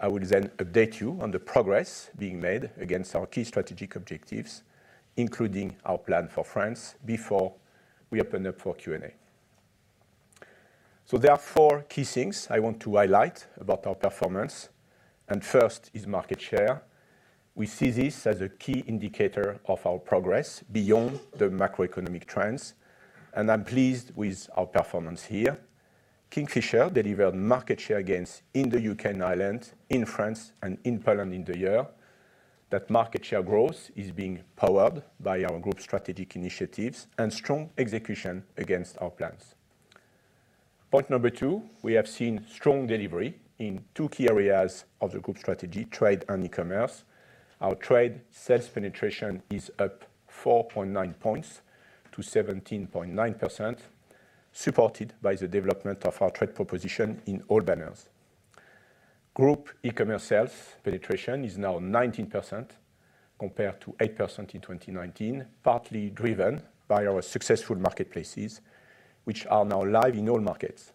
I will then update you on the progress being made against our key strategic objectives, including our plan for France, before we open up for Q&A. There are four key things I want to highlight about our performance. First is market share. We see this as a key indicator of our progress beyond the macroeconomic trends. I'm pleased with our performance here. Kingfisher delivered market share gains in the U.K. and Ireland, in France, and in Poland in the year. That market share growth is being powered by our group's strategic initiatives and strong execution against our plans. Point number two, we have seen strong delivery in two key areas of the group strategy: trade and e-commerce. Our trade sales penetration is up 4.9 percentage points to 17.9%, supported by the development of our trade proposition in all banners. Group e-commerce sales penetration is now 19%, compared to 8% in 2019, partly driven by our successful marketplaces, which are now live in all markets.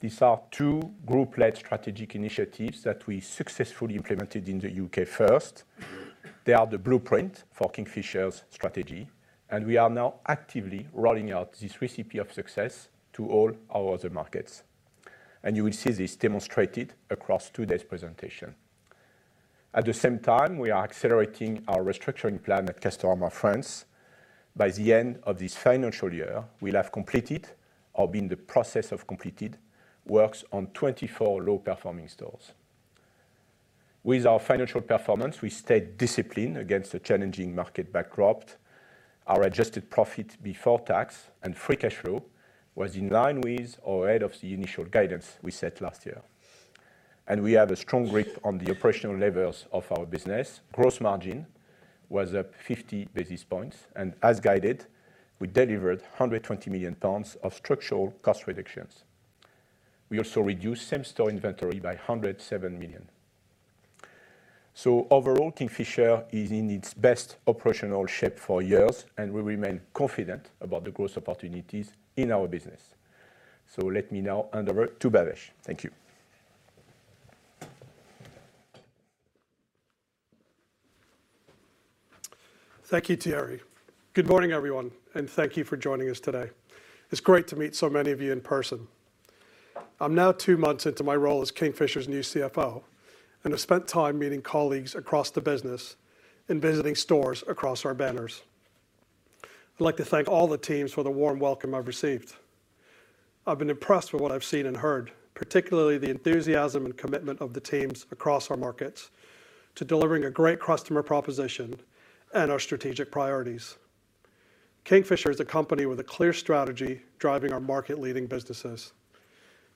These are two group-led strategic initiatives that we successfully implemented in the U.K. first. They are the blueprint for Kingfisher's strategy. We are now actively rolling out this recipe of success to all our other markets. You will see this demonstrated across today's presentation. At the same time, we are accelerating our restructuring plan at Castorama France. By the end of this financial year, we will have completed, or been in the process of completing, works on 24 low-performing stores. With our financial performance, we stayed disciplined against a challenging market backdrop. Our adjusted profit before tax and free cash flow was in line with or ahead of the initial guidance we set last year. We have a strong grip on the operational levers of our business. Gross margin was up 50 basis points. As guided, we delivered 120 million pounds of structural cost reductions. We also reduced same-store inventory by 107 million. Overall, Kingfisher is in its best operational shape for years. We remain confident about the growth opportunities in our business. Let me now hand over to Bhavesh. Thank you. Thank you, Thierry. Good morning, everyone. Thank you for joining us today. It's great to meet so many of you in person. I'm now two months into my role as Kingfisher's new CFO, and I've spent time meeting colleagues across the business and visiting stores across our banners. I'd like to thank all the teams for the warm welcome I've received. I've been impressed with what I've seen and heard, particularly the enthusiasm and commitment of the teams across our markets to delivering a great customer proposition and our strategic priorities. Kingfisher is a company with a clear strategy driving our market-leading businesses.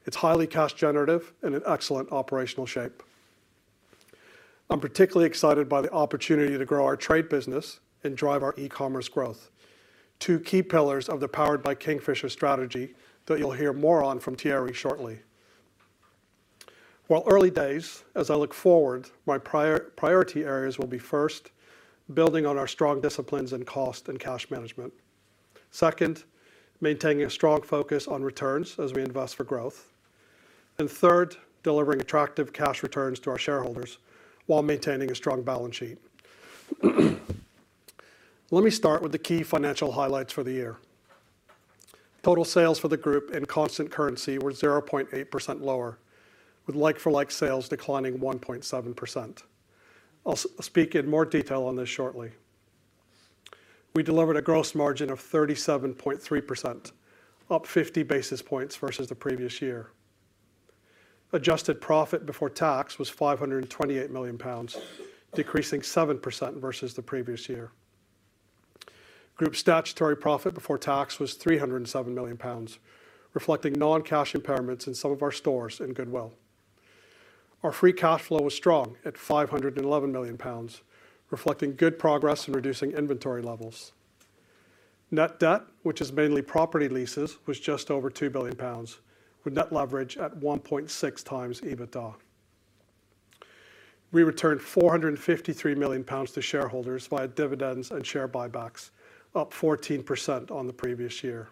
It's highly cash-generative and in excellent operational shape. I'm particularly excited by the opportunity to grow our trade business and drive our e-commerce growth, two key pillars of the Powered by Kingfisher strategy that you'll hear more on from Thierry shortly. While early days, as I look forward, my priority areas will be first, building on our strong disciplines in cost and cash management. Second, maintaining a strong focus on returns as we invest for growth. Third, delivering attractive cash returns to our shareholders while maintaining a strong balance sheet. Let me start with the key financial highlights for the year. Total sales for the group in constant currency were 0.8% lower, with like-for-like sales declining 1.7%. I'll speak in more detail on this shortly. We delivered a gross margin of 37.3%, up 50 basis points versus the previous year. Adjusted profit before tax was 528 million pounds, decreasing 7% versus the previous year. Group statutory profit before tax was 307 million pounds, reflecting non-cash impairments in some of our stores in goodwill. Our free cash flow was strong at 511 million pounds, reflecting good progress in reducing inventory levels. Net debt, which is mainly property leases, was just over 2 billion pounds, with net leverage at 1.6x EBITDA. We returned 453 million pounds to shareholders via dividends and share buybacks, up 14% on the previous year.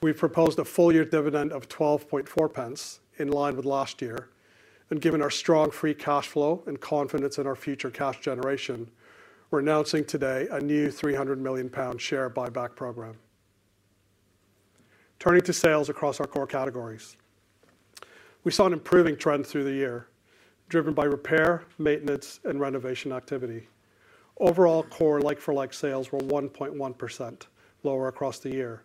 We proposed a full-year dividend of 12.40, in line with last year. Given our strong free cash flow and confidence in our future cash generation, we're announcing today a new 300 million pound share buyback program. Turning to sales across our core categories, we saw an improving trend through the year, driven by repair, maintenance, and renovation activity. Overall, core like-for-like sales were 1.1% lower across the year,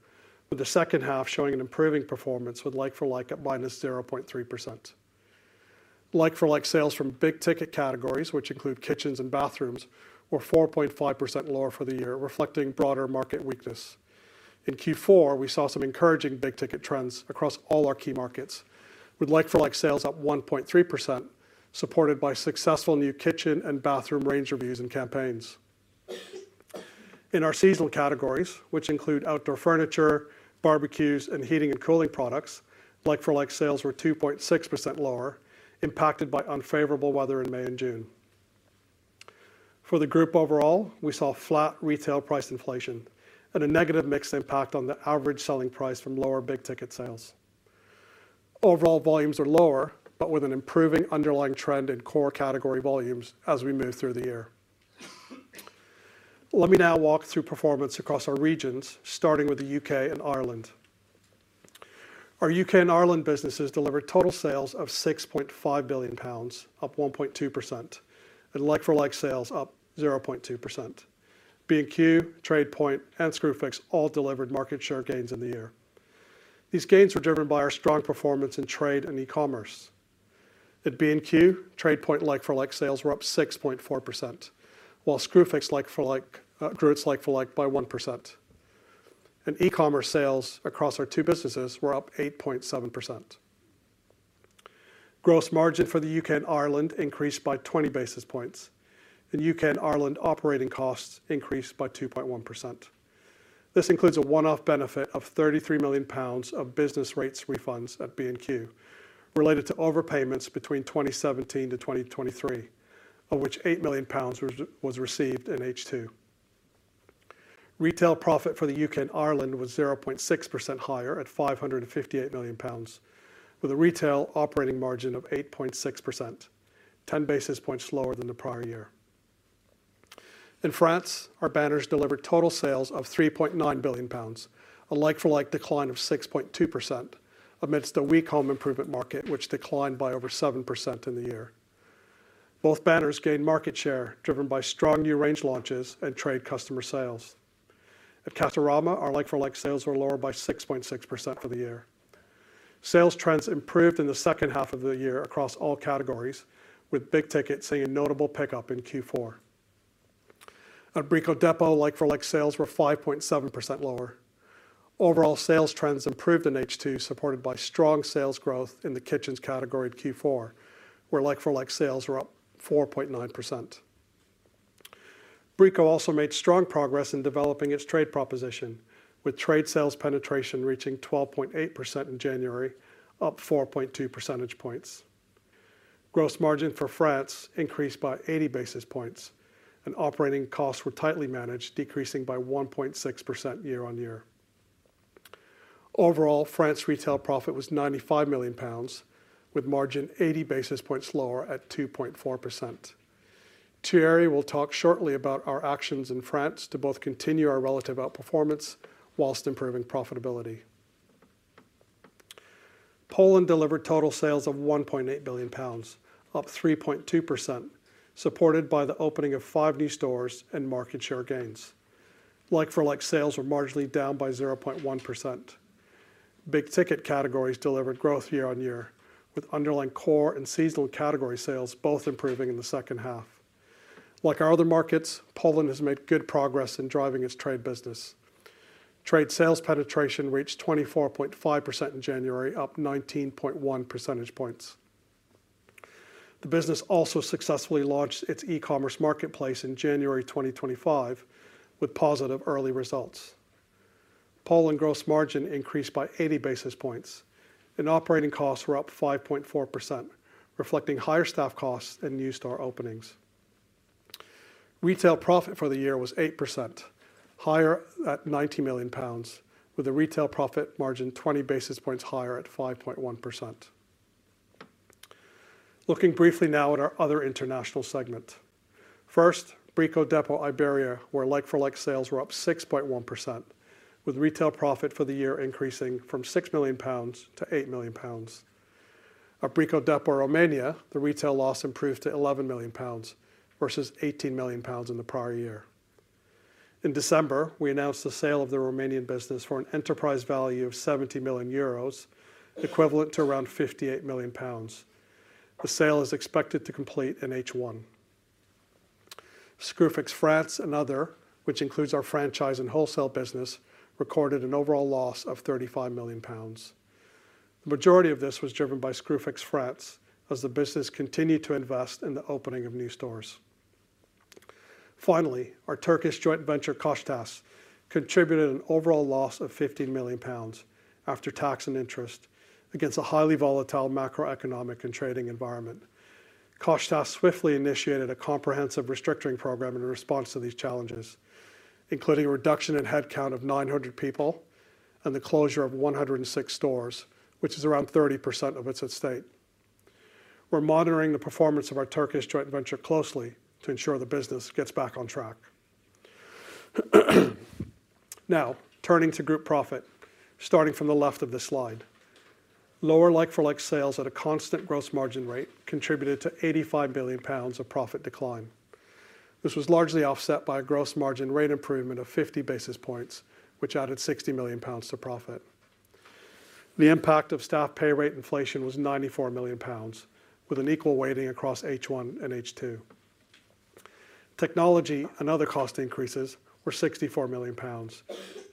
with the second half showing an improving performance with like-for-like at minus 0.3%. Like-for-like sales from big-ticket categories, which include kitchens and bathrooms, were 4.5% lower for the year, reflecting broader market weakness. In Q4, we saw some encouraging big-ticket trends across all our key markets, with like-for-like sales up 1.3%, supported by successful new kitchen and bathroom range reviews and campaigns. In our seasonal categories, which include outdoor furniture, barbecues, and heating and cooling products, like-for-like sales were 2.6% lower, impacted by unfavorable weather in May and June. For the group overall, we saw flat retail price inflation and a negative mixed impact on the average selling price from lower big-ticket sales. Overall volumes are lower, but with an improving underlying trend in core category volumes as we move through the year. Let me now walk through performance across our regions, starting with the U.K. and Ireland. Our U.K. and Ireland businesses delivered total sales of 6.5 billion pounds, up 1.2%, and like-for-like sales up 0.2%. B&Q, TradePoint, and Screwfix all delivered market share gains in the year. These gains were driven by our strong performance in trade and e-commerce. At B&Q, TradePoint like-for-like sales were up 6.4%, while Screwfix like-for-like grew its like-for-like by 1%. E-commerce sales across our two businesses were up 8.7%. Gross margin for the U.K. and Ireland increased by 20 basis points. U.K. and Ireland operating costs increased by 2.1%. This includes a one-off benefit of 33 million pounds of business rates refunds at B&Q, related to overpayments between 2017 to 2023, of which 8 million pounds was received in H2. Retail profit for the U.K. and Ireland was 0.6% higher at 558 million pounds, with a retail operating margin of 8.6%, 10 basis points lower than the prior year. In France, our banners delivered total sales of 3.9 billion pounds, a like-for-like decline of 6.2%, amidst a weak home improvement market, which declined by over 7% in the year. Both banners gained market share driven by strong new range launches and trade customer sales. At Castorama, our like-for-like sales were lower by 6.6% for the year. Sales trends improved in the second half of the year across all categories, with big-ticket seeing a notable pickup in Q4. At Brico Dépôt, like-for-like sales were 5.7% lower. Overall, sales trends improved in H2, supported by strong sales growth in the kitchens category in Q4, where like-for-like sales were up 4.9%. Brico also made strong progress in developing its trade proposition, with trade sales penetration reaching 12.8% in January, up 4.2 percentage points. Gross margin for France increased by 80 basis points, and operating costs were tightly managed, decreasing by 1.6% year-on-year. Overall, France's retail profit was 95 million pounds, with margin 80 basis points lower at 2.4%. Thierry will talk shortly about our actions in France to both continue our relative outperformance whilst improving profitability. Poland delivered total sales of 1.8 billion pounds, up 3.2%, supported by the opening of five new stores and market share gains. Like-for-like sales were marginally down by 0.1%. Big-ticket categories delivered growth year on year, with underlying core and seasonal category sales both improving in the second half. Like our other markets, Poland has made good progress in driving its trade business. Trade sales penetration reached 24.5% in January, up 19.1 percentage points. The business also successfully launched its e-commerce marketplace in January 2025, with positive early results. Poland gross margin increased by 80 basis points, and operating costs were up 5.4%, reflecting higher staff costs than new store openings. Retail profit for the year was 8% higher at 90 million pounds, with a retail profit margin 20 basis points higher at 5.1%. Looking briefly now at our other international segment. First, Brico Dépôt Iberia, where like-for-like sales were up 6.1%, with retail profit for the year increasing from 6 million pounds to 8 million pounds. At Brico Dépôt Romania, the retail loss improved to 11 million pounds versus 18 million pounds in the prior year. In December, we announced the sale of the Romanian business for an enterprise value of 70 million euros, equivalent to around 58 million pounds. The sale is expected to complete in H1. Screwfix France and other, which includes our franchise and wholesale business, recorded an overall loss of 35 million pounds. The majority of this was driven by Screwfix France, as the business continued to invest in the opening of new stores. Finally, our Turkish joint venture Koçtaş contributed an overall loss of 15 million pounds after tax and interest against a highly volatile macroeconomic and trading environment. Koçtaş swiftly initiated a comprehensive restructuring program in response to these challenges, including a reduction in headcount of 900 people and the closure of 106 stores, which is around 30% of its estate. We're monitoring the performance of our Turkish joint venture closely to ensure the business gets back on track. Now, turning to group profit, starting from the left of this slide. Lower like-for-like sales at a constant gross margin rate contributed to 85 million pounds of profit decline. This was largely offset by a gross margin rate improvement of 50 basis points, which added 60 million pounds to profit. The impact of staff pay rate inflation was 94 million pounds, with an equal weighting across H1 and H2. Technology and other cost increases were 64 million pounds,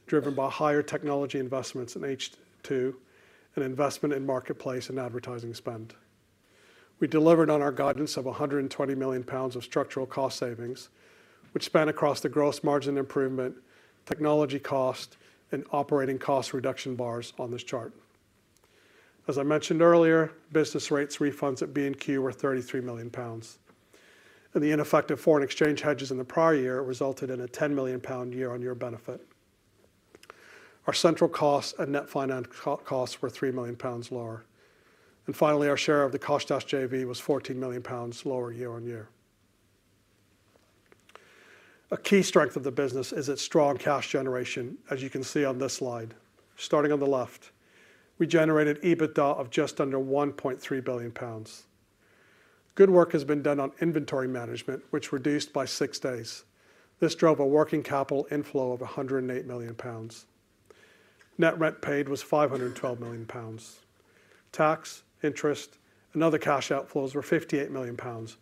driven by higher technology investments in H2 and investment in marketplace and advertising spend. We delivered on our guidance of 120 million pounds of structural cost savings, which span across the gross margin improvement, technology cost, and operating cost reduction bars on this chart. As I mentioned earlier, business rates refunds at B&Q were 33 million pounds. The ineffective foreign exchange hedges in the prior year resulted in a 10 million pound year-on-year benefit. Our central costs and net finance costs were 3 million pounds lower. Finally, our share of the Koçtaş JV was 14 million pounds lower year-on-year. A key strength of the business is its strong cash generation, as you can see on this slide. Starting on the left, we generated EBITDA of just under 1.3 billion pounds. Good work has been done on inventory management, which reduced by six days. This drove a working capital inflow of 108 million pounds. Net rent paid was 512 million pounds. Tax, interest, and other cash outflows were 58 million pounds,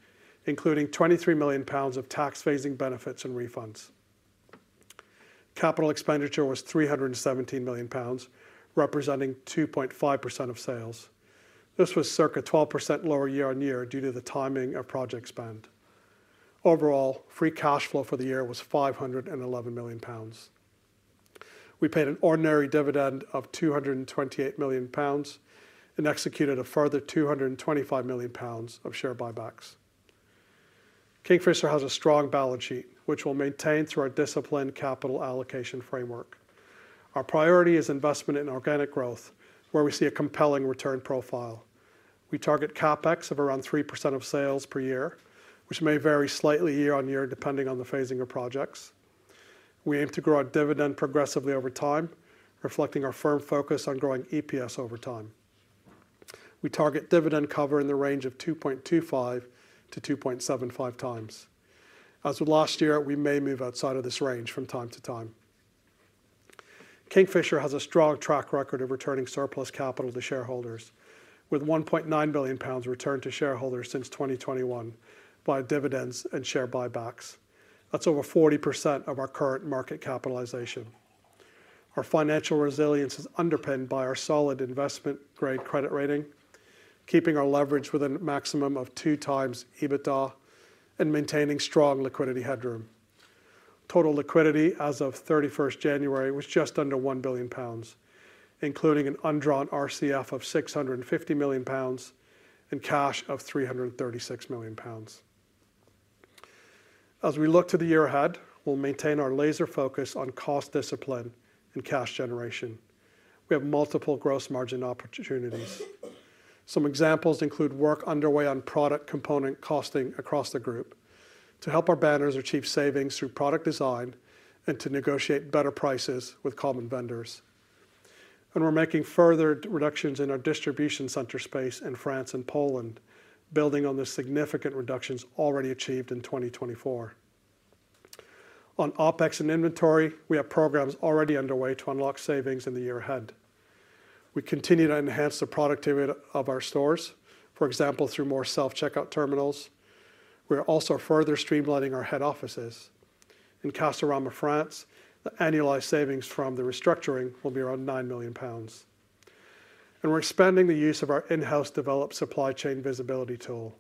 including 23 million pounds of tax-phasing benefits and refunds. Capital expenditure was 317 million pounds, representing 2.5% of sales. This was circa 12% lower year-on-year due to the timing of project spend. Overall, free cash flow for the year was 511 million pounds. We paid an ordinary dividend of 228 million pounds and executed a further 225 million pounds of share buybacks. Kingfisher has a strong balance sheet, which we'll maintain through our disciplined capital allocation framework. Our priority is investment in organic growth, where we see a compelling return profile. We target CapEx of around 3% of sales per year, which may vary slightly year-on-year depending on the phasing of projects. We aim to grow our dividend progressively over time, reflecting our firm focus on growing EPS over time. We target dividend cover in the range of 2.25x-2.75x. As with last year, we may move outside of this range from time to time. Kingfisher has a strong track record of returning surplus capital to shareholders, with 1.9 billion pounds returned to shareholders since 2021 via dividends and share buybacks. That's over 40% of our current market capitalization. Our financial resilience is underpinned by our solid investment-grade credit rating, keeping our leverage within a maximum of two times EBITDA and maintaining strong liquidity headroom. Total liquidity as of 31st January was just under 1 billion pounds, including an undrawn RCF of 650 million pounds and cash of 336 million pounds. As we look to the year ahead, we'll maintain our laser focus on cost discipline and cash generation. We have multiple gross margin opportunities. Some examples include work underway on product component costing across the group to help our banners achieve savings through product design and to negotiate better prices with common vendors. We are making further reductions in our distribution center space in France and Poland, building on the significant reductions already achieved in 2024. On OpEx and inventory, we have programs already underway to unlock savings in the year ahead. We continue to enhance the productivity of our stores, for example, through more self-checkout terminals. We are also further streamlining our head offices. In Castorama, France, the annualized savings from the restructuring will be around 9 million pounds. We are expanding the use of our in-house developed supply chain visibility tool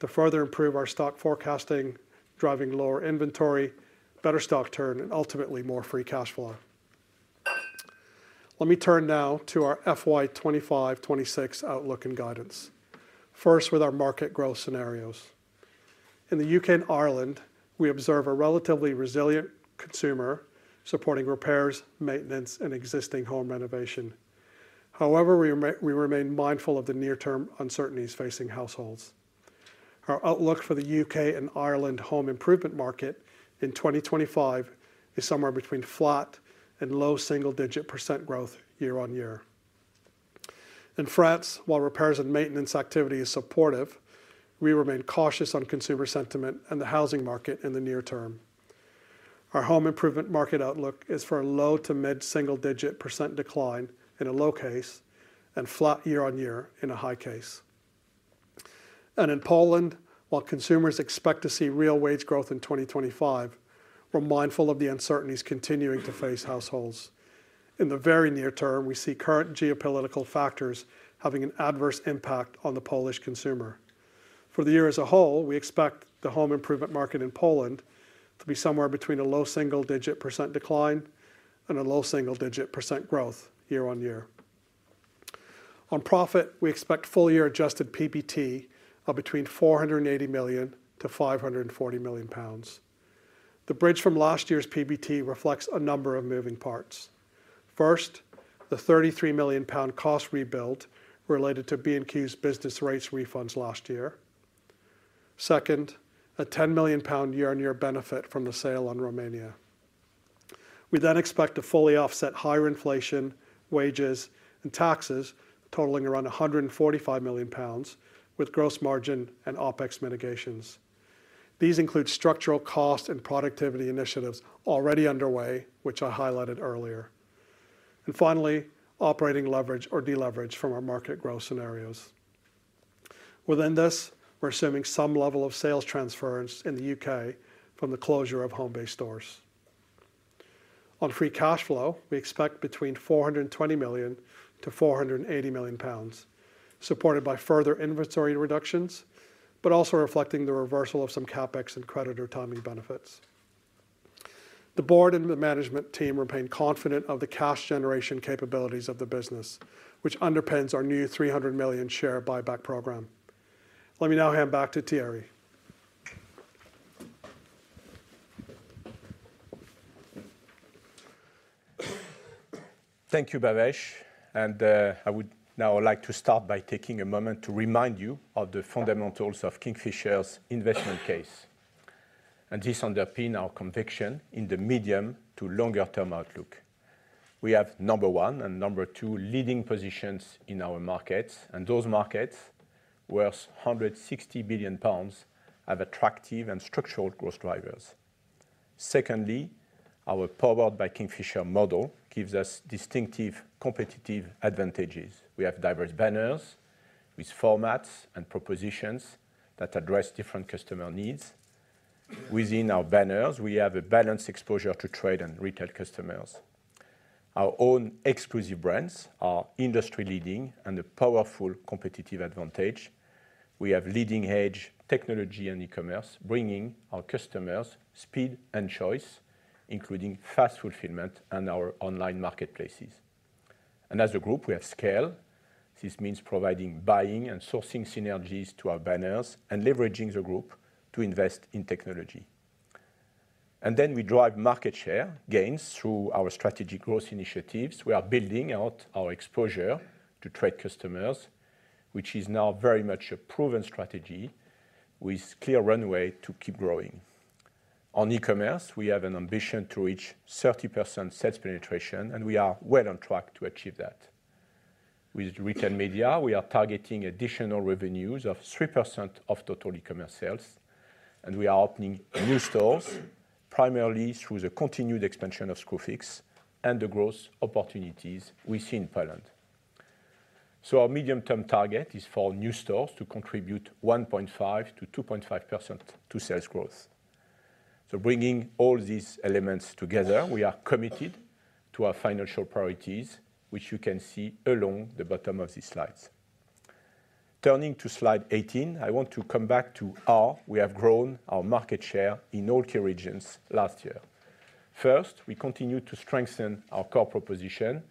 to further improve our stock forecasting, driving lower inventory, better stock turn, and ultimately more free cash flow. Let me turn now to our FY 2025-2026 outlook and guidance. First, with our market growth scenarios. In the U.K. and Ireland, we observe a relatively resilient consumer supporting repairs, maintenance, and existing home renovation. However, we remain mindful of the near-term uncertainties facing households. Our outlook for the U.K. and Ireland home improvement market in 2025 is somewhere between flat and low single-digit percent growth year-on-year. In France, while repairs and maintenance activity is supportive, we remain cautious on consumer sentiment and the housing market in the near term. Our home improvement market outlook is for a low to mid-single-digit percent decline in a low case and flat year-on-year in a high case. In Poland, while consumers expect to see real wage growth in 2025, we're mindful of the uncertainties continuing to face households. In the very near term, we see current geopolitical factors having an adverse impact on the Polish consumer. For the year as a whole, we expect the home improvement market in Poland to be somewhere between a low single-digit percent decline and a low single-digit percent growth year-on-year. On profit, we expect full-year adjusted PBT of between 480 million-540 million pounds. The bridge from last year's PBT reflects a number of moving parts. First, the 33 million pound cost rebuild related to B&Q's business rates refunds last year. Second, a 10 million pound year-on-year benefit from the sale on Romania. We then expect to fully offset higher inflation, wages, and taxes totaling around 145 million pounds, with gross margin and OpEx mitigations. These include structural cost and productivity initiatives already underway, which I highlighted earlier. Finally, operating leverage or deleverage from our market growth scenarios. Within this, we're assuming some level of sales transference in the U.K. from the closure of Homebase stores. On free cash flow, we expect between 420 million-480 million pounds, supported by further inventory reductions, but also reflecting the reversal of some CapEx and creditor timing benefits. The board and the management team remain confident of the cash generation capabilities of the business, which underpins our new 300 million share buyback program. Let me now hand back to Thierry. Thank you, Bhavesh. I would now like to start by taking a moment to remind you of the fundamentals of Kingfisher's investment case. This underpins our conviction in the medium to longer-term outlook. We have number one and number two leading positions in our markets, and those markets worth 160 million pounds have attractive and structural growth drivers. Secondly, our powered by Kingfisher model gives us distinctive competitive advantages. We have diverse banners with formats and propositions that address different customer needs. Within our banners, we have a balanced exposure to trade and retail customers. Our own exclusive brands are industry-leading and a powerful competitive advantage. We have leading-edge technology and e-commerce, bringing our customers speed and choice, including fast fulfillment and our online marketplaces. As a group, we have scale. This means providing buying and sourcing synergies to our banners and leveraging the group to invest in technology. We drive market share gains through our strategic growth initiatives. We are building out our exposure to trade customers, which is now very much a proven strategy with clear runway to keep growing. On e-commerce, we have an ambition to reach 30% sales penetration, and we are well on track to achieve that. With retail media, we are targeting additional revenues of 3% of total e-commerce sales, and we are opening new stores primarily through the continued expansion of Screwfix and the growth opportunities we see in Poland. Our medium-term target is for new stores to contribute 1.5%-2.5% to sales growth. Bringing all these elements together, we are committed to our financial priorities, which you can see along the bottom of these slides. Turning to slide 18, I want to come back to how we have grown our market share in all key regions last year. First, we continue to strengthen our core proposition.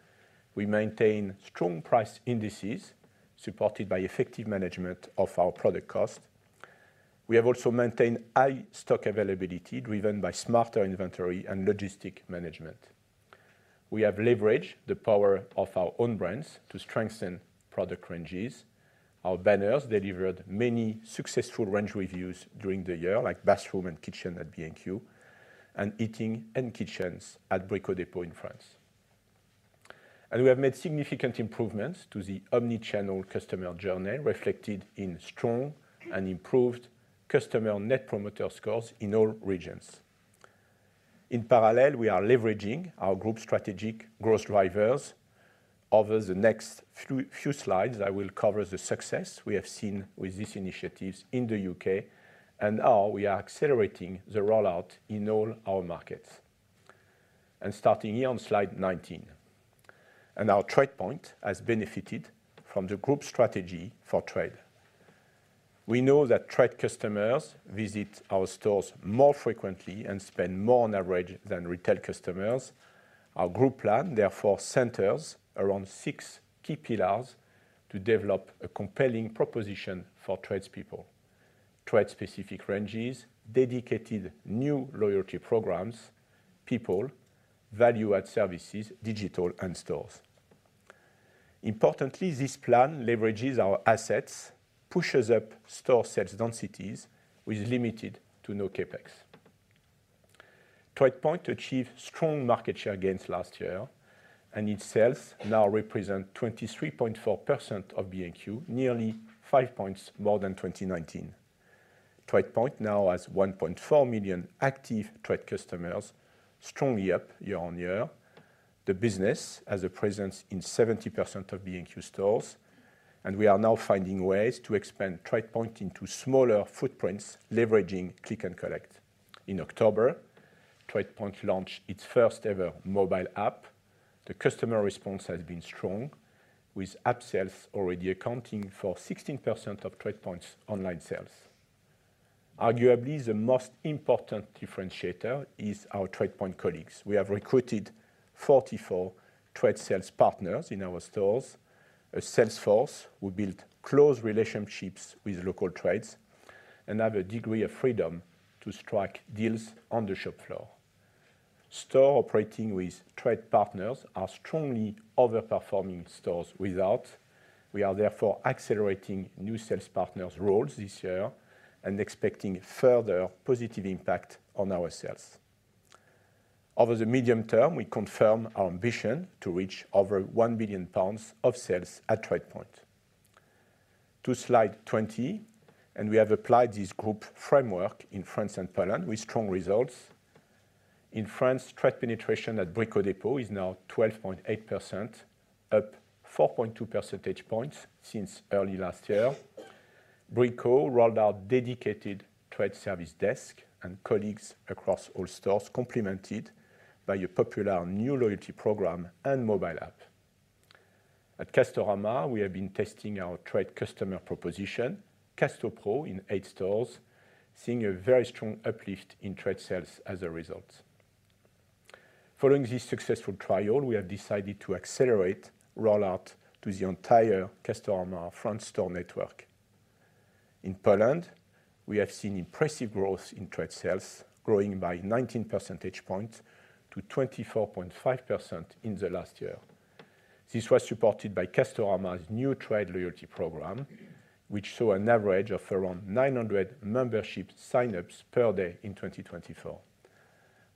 We maintain strong price indices supported by effective management of our product cost. We have also maintained high stock availability driven by smarter inventory and logistic management. We have leveraged the power of our own brands to strengthen product ranges. Our banners delivered many successful range reviews during the year, like bathroom and kitchen at B&Q and heating and kitchens at Brico Dépôt in France. We have made significant improvements to the omnichannel customer journey, reflected in strong and improved customer net promoter scores in all regions. In parallel, we are leveraging our group's strategic growth drivers. Over the next few slides, I will cover the success we have seen with these initiatives in the U.K., and how we are accelerating the rollout in all our markets. Starting here on slide 19, our TradePoint has benefited from the group strategy for trade. We know that trade customers visit our stores more frequently and spend more on average than retail customers. Our group plan, therefore, centers around six key pillars to develop a compelling proposition for tradespeople: trade-specific ranges, dedicated new loyalty programs, people, value-add services, digital, and stores. Importantly, this plan leverages our assets, pushes up store sales densities with limited to no CapEx. TradePoint achieved strong market share gains last year, and its sales now represent 23.4% of B&Q, nearly five percentage points more than 2019. TradePoint now has 1.4 million active trade customers, strongly up year-on-year. The business has a presence in 70% of B&Q stores, and we are now finding ways to expand TradePoint into smaller footprints, leveraging click and collect. In October, TradePoint launched its first-ever mobile app. The customer response has been strong, with app sales already accounting for 16% of TradePoint's online sales. Arguably, the most important differentiator is our TradePoint colleagues. We have recruited 44 trade sales partners in our stores, a sales force who build close relationships with local trades, and have a degree of freedom to strike deals on the shop floor. Stores operating with trade partners are strongly overperforming stores without. We are therefore accelerating new sales partners' roles this year and expecting further positive impact on our sales. Over the medium term, we confirm our ambition to reach over 1 billion pounds of sales at TradePoint. To slide 20, we have applied this group framework in France and Poland with strong results. In France, trade penetration at Brico Dépôt is now 12.8%, up 4.2 percentage points since early last year. Brico rolled out dedicated trade service desk and colleagues across all stores, complemented by a popular new loyalty program and mobile app. At Castorama, we have been testing our trade customer proposition, CastoPro, in eight stores, seeing a very strong uplift in trade sales as a result. Following this successful trial, we have decided to accelerate rollout to the entire Castorama France store network. In Poland, we have seen impressive growth in trade sales, growing by 19 percentage points to 24.5% in the last year. This was supported by Castorama's new trade loyalty program, which saw an average of around 900 membership sign-ups per day in 2024.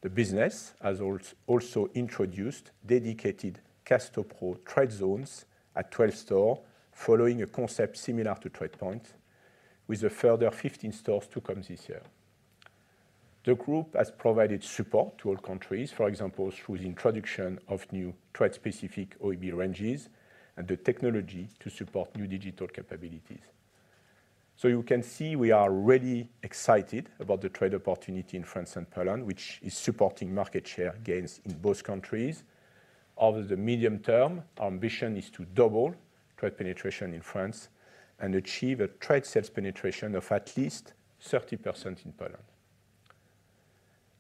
The business has also introduced dedicated CastoPro trade zones at 12 stores, following a concept similar to TradePoint, with a further 15 stores to come this year. The group has provided support to all countries, for example, through the introduction of new trade-specific OEB ranges and the technology to support new digital capabilities. You can see we are really excited about the trade opportunity in France and Poland, which is supporting market share gains in both countries. Over the medium term, our ambition is to double trade penetration in France and achieve a trade sales penetration of at least 30% in Poland.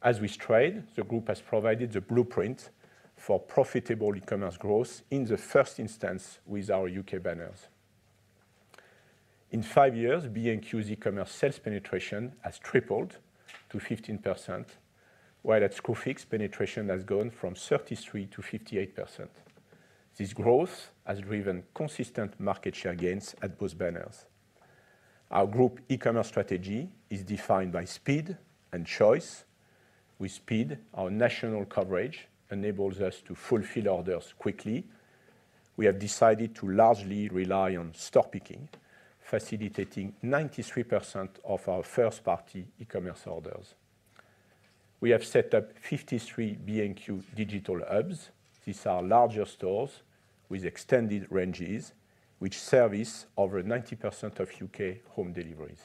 As we trade, the group has provided the blueprint for profitable e-commerce growth in the first instance with our U.K. banners. In five years, B&Q's e-commerce sales penetration has tripled to 15%, while at Screwfix, penetration has gone from 33% to 58%. This growth has driven consistent market share gains at both banners. Our group e-commerce strategy is defined by speed and choice. With speed, our national coverage enables us to fulfill orders quickly. We have decided to largely rely on store picking, facilitating 93% of our first-party e-commerce orders. We have set up 53 B&Q digital hubs. These are larger stores with extended ranges, which service over 90% of U.K. home deliveries.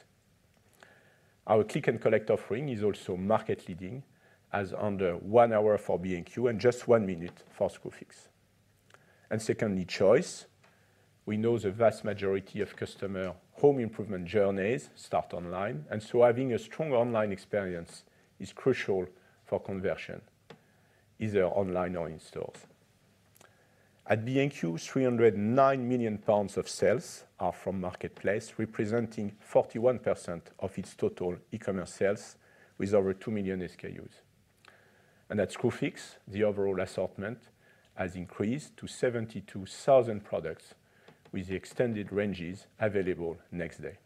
Our click and collect offering is also market-leading, as under one hour for B&Q and just one minute for Screwfix. Secondly, choice. We know the vast majority of customer home improvement journeys start online, and so having a strong online experience is crucial for conversion, either online or in stores. At B&Q, 309 million pounds of sales are from marketplace, representing 41% of its total e-commerce sales, with over 2 million SKUs. At Screwfix, the overall assortment has increased to 72,000 products, with the extended ranges available next day.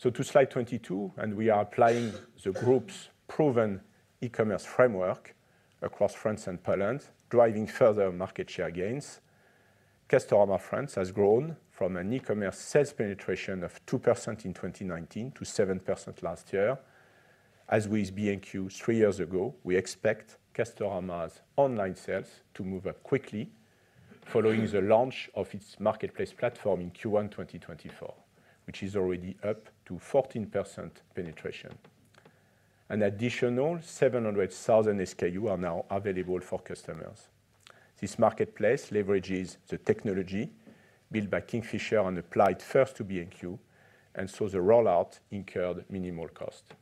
To slide 22, we are applying the group's proven e-commerce framework across France and Poland, driving further market share gains. Castorama France has grown from an e-commerce sales penetration of 2% in 2019 to 7% last year. As with B&Q three years ago, we expect Castorama's online sales to move up quickly following the launch of its marketplace platform in Q1 2024, which is already up to 14% penetration. An additional 700,000 SKUs are now available for customers. This marketplace leverages the technology built by Kingfisher and applied first to B&Q, and the rollout incurred minimal cost.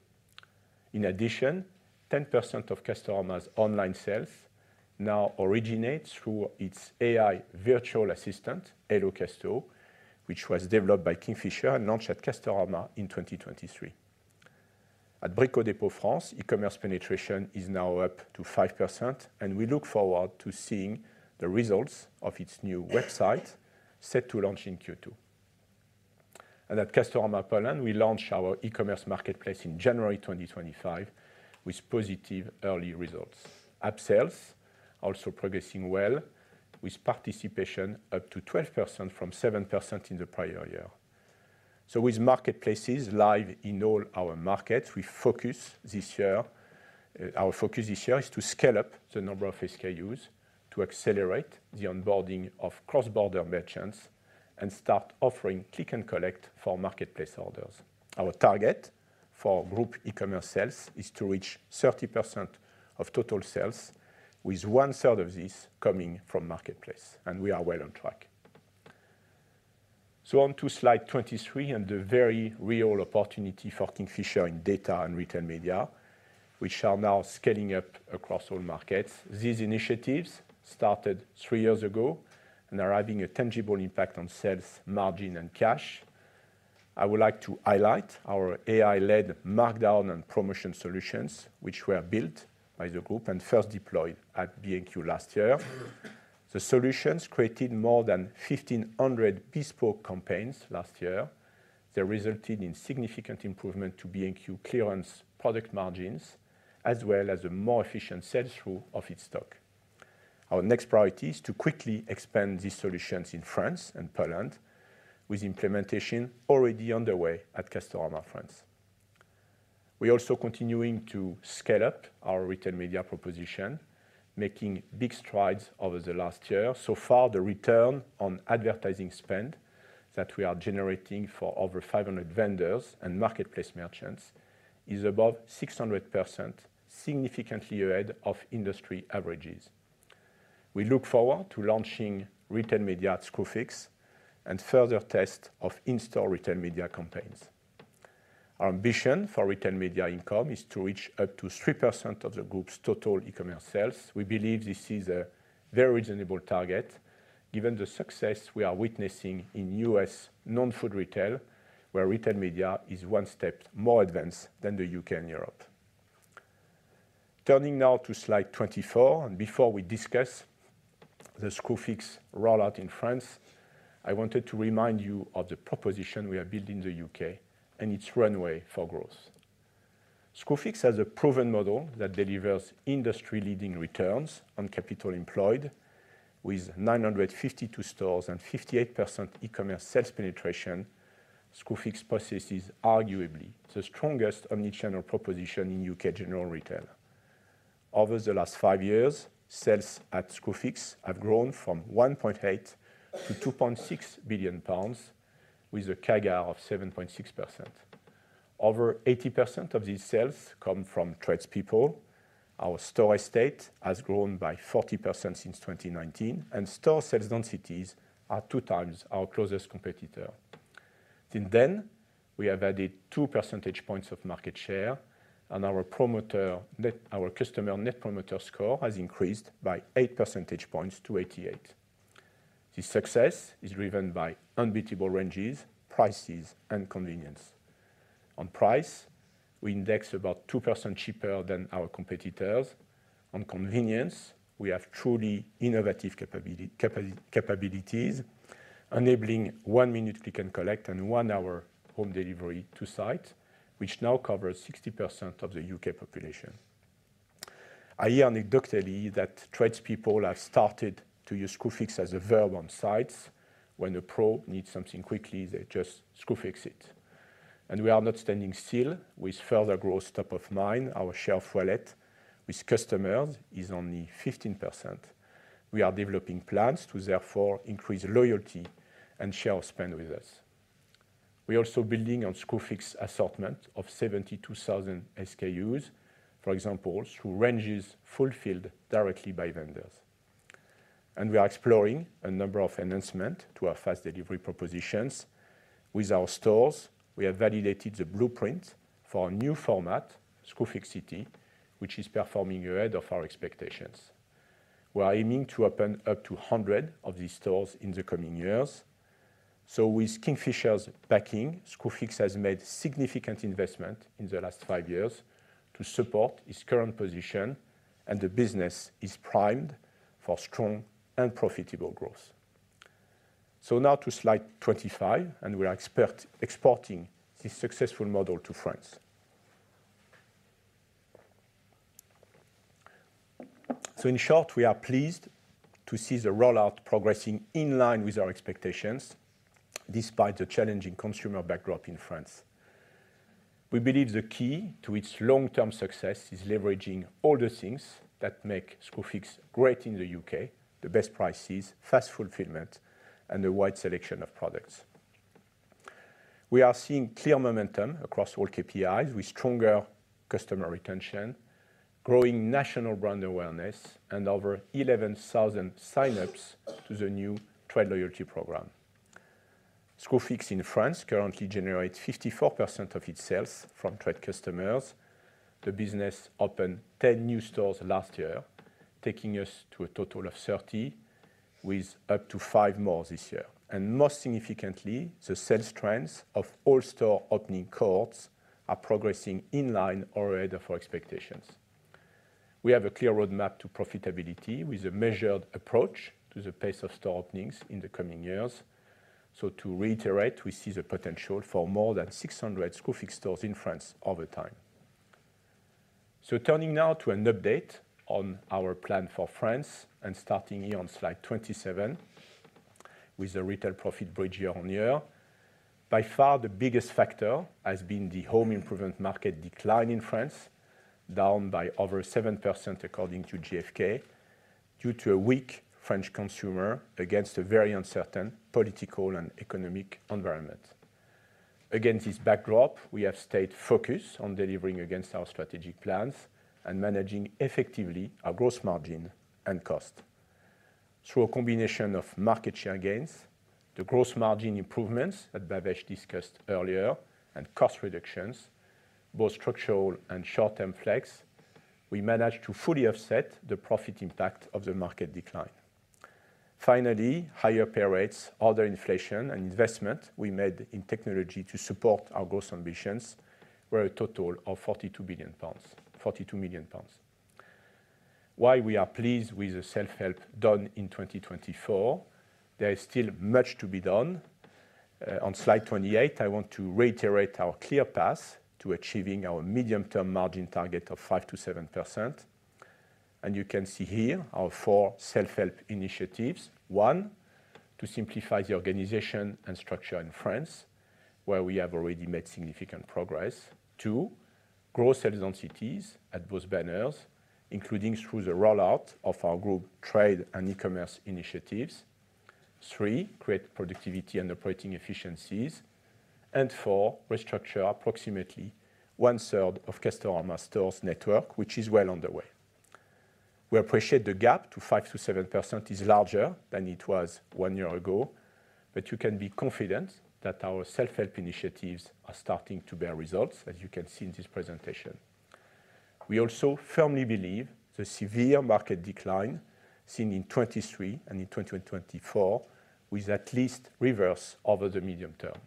In addition, 10% of Castorama's online sales now originate through its AI virtual assistant, Halo Casto, which was developed by Kingfisher and launched at Castorama in 2023. At Brico Dépôt France, e-commerce penetration is now up to 5%, and we look forward to seeing the results of its new website set to launch in Q2. At Castorama Poland, we launched our e-commerce marketplace in January 2025 with positive early results. App sales are also progressing well, with participation up to 12% from 7% in the prior year. With marketplaces live in all our markets, we focus this year. Our focus this year is to scale up the number of SKUs to accelerate the onboarding of cross-border merchants and start offering click and collect for marketplace orders. Our target for group e-commerce sales is to reach 30% of total sales, with one third of this coming from marketplace, and we are well on track. On to slide 23 and the very real opportunity for Kingfisher in data and retail media, which are now scaling up across all markets. These initiatives started three years ago and are having a tangible impact on sales, margin, and cash. I would like to highlight our AI-led markdown and promotion solutions, which were built by the group and first deployed at B&Q last year. The solutions created more than 1,500 bespoke campaigns last year. They resulted in significant improvement to B&Q clearance product margins, as well as a more efficient sales through of its stock. Our next priority is to quickly expand these solutions in France and Poland, with implementation already underway at Castorama France. We are also continuing to scale up our retail media proposition, making big strides over the last year. So far, the return on advertising spend that we are generating for over 500 vendors and marketplace merchants is above 600%, significantly ahead of industry averages. We look forward to launching retail media at Screwfix and further tests of in-store retail media campaigns. Our ambition for retail media income is to reach up to 3% of the group's total e-commerce sales. We believe this is a very reasonable target, given the success we are witnessing in U.S. non-food retail, where retail media is one step more advanced than the U.K. and Europe. Turning now to slide 24, and before we discuss the Screwfix rollout in France, I wanted to remind you of the proposition we have built in the U.K. and its runway for growth. Screwfix has a proven model that delivers industry-leading returns on capital employed. With 952 stores and 58% e-commerce sales penetration, Screwfix possesses arguably the strongest omnichannel proposition in U.K. general retail. Over the last five years, sales at Screwfix have grown from 1.8 billion to 2.6 billion pounds, with a CAGR of 7.6%. Over 80% of these sales come from tradespeople. Our store estate has grown by 40% since 2019, and store sales densities are two times our closest competitor. Since then, we have added 2 percentage points of market share, and our customer net promoter score has increased by 8 percentage points to 88. This success is driven by unbeatable ranges, prices, and convenience. On price, we index about 2% cheaper than our competitors. On convenience, we have truly innovative capabilities, enabling one-minute click and collect and one-hour home delivery to sites, which now covers 60% of the U.K. population. I hear anecdotally that tradespeople have started to use Screwfix as a verb on sites. When a pro needs something quickly, they just Screwfix it. We are not standing still with further growth top of mind. Our share of wallet with customers is only 15%. We are developing plans to therefore increase loyalty and share of spend with us. We are also building on Screwfix's assortment of 72,000 SKUs, for example, through ranges fulfilled directly by vendors. We are exploring a number of enhancements to our fast delivery propositions. With our stores, we have validated the blueprint for a new format, Screwfix City, which is performing ahead of our expectations. We are aiming to open up to 100 of these stores in the coming years. With Kingfisher's backing, Screwfix has made significant investment in the last five years to support its current position, and the business is primed for strong and profitable growth. Now to slide 25, we are exporting this successful model to France. In short, we are pleased to see the rollout progressing in line with our expectations, despite the challenging consumer backdrop in France. We believe the key to its long-term success is leveraging all the things that make Screwfix great in the U.K.: the best prices, fast fulfillment, and a wide selection of products. We are seeing clear momentum across all KPIs, with stronger customer retention, growing national brand awareness, and over 11,000 sign-ups to the new trade loyalty program. Screwfix in France currently generates 54% of its sales from trade customers. The business opened 10 new stores last year, taking us to a total of 30, with up to five more this year. Most significantly, the sales trends of all store opening cohorts are progressing in line already for expectations. We have a clear roadmap to profitability with a measured approach to the pace of store openings in the coming years. To reiterate, we see the potential for more than 600 Screwfix stores in France over time. Turning now to an update on our plan for France and starting here on slide 27, with the retail profit break year-on-year, by far the biggest factor has been the home improvement market decline in France, down by over 7% according to GFK, due to a weak French consumer against a very uncertain political and economic environment. Against this backdrop, we have stayed focused on delivering against our strategic plans and managing effectively our gross margin and cost. Through a combination of market share gains, the gross margin improvements that Bhavesh discussed earlier, and cost reductions, both structural and short-term flex, we managed to fully offset the profit impact of the market decline. Finally, higher pay rates, other inflation, and investment we made in technology to support our gross ambitions were a total of 42 billion pounds. While we are pleased with the self-help done in 2024, there is still much to be done. On slide 28, I want to reiterate our clear path to achieving our medium-term margin target of 5%-7%. You can see here our four self-help initiatives. One, to simplify the organization and structure in France, where we have already made significant progress. Two, grow sales densities at both banners, including through the rollout of our group trade and e-commerce initiatives. Three, create productivity and operating efficiencies. Four, restructure approximately one third of Castorama's stores network, which is well on the way. We appreciate the gap to 5%-7% is larger than it was one year ago, but you can be confident that our self-help initiatives are starting to bear results, as you can see in this presentation. We also firmly believe the severe market decline seen in 2023 and in 2024 will at least reverse over the medium term.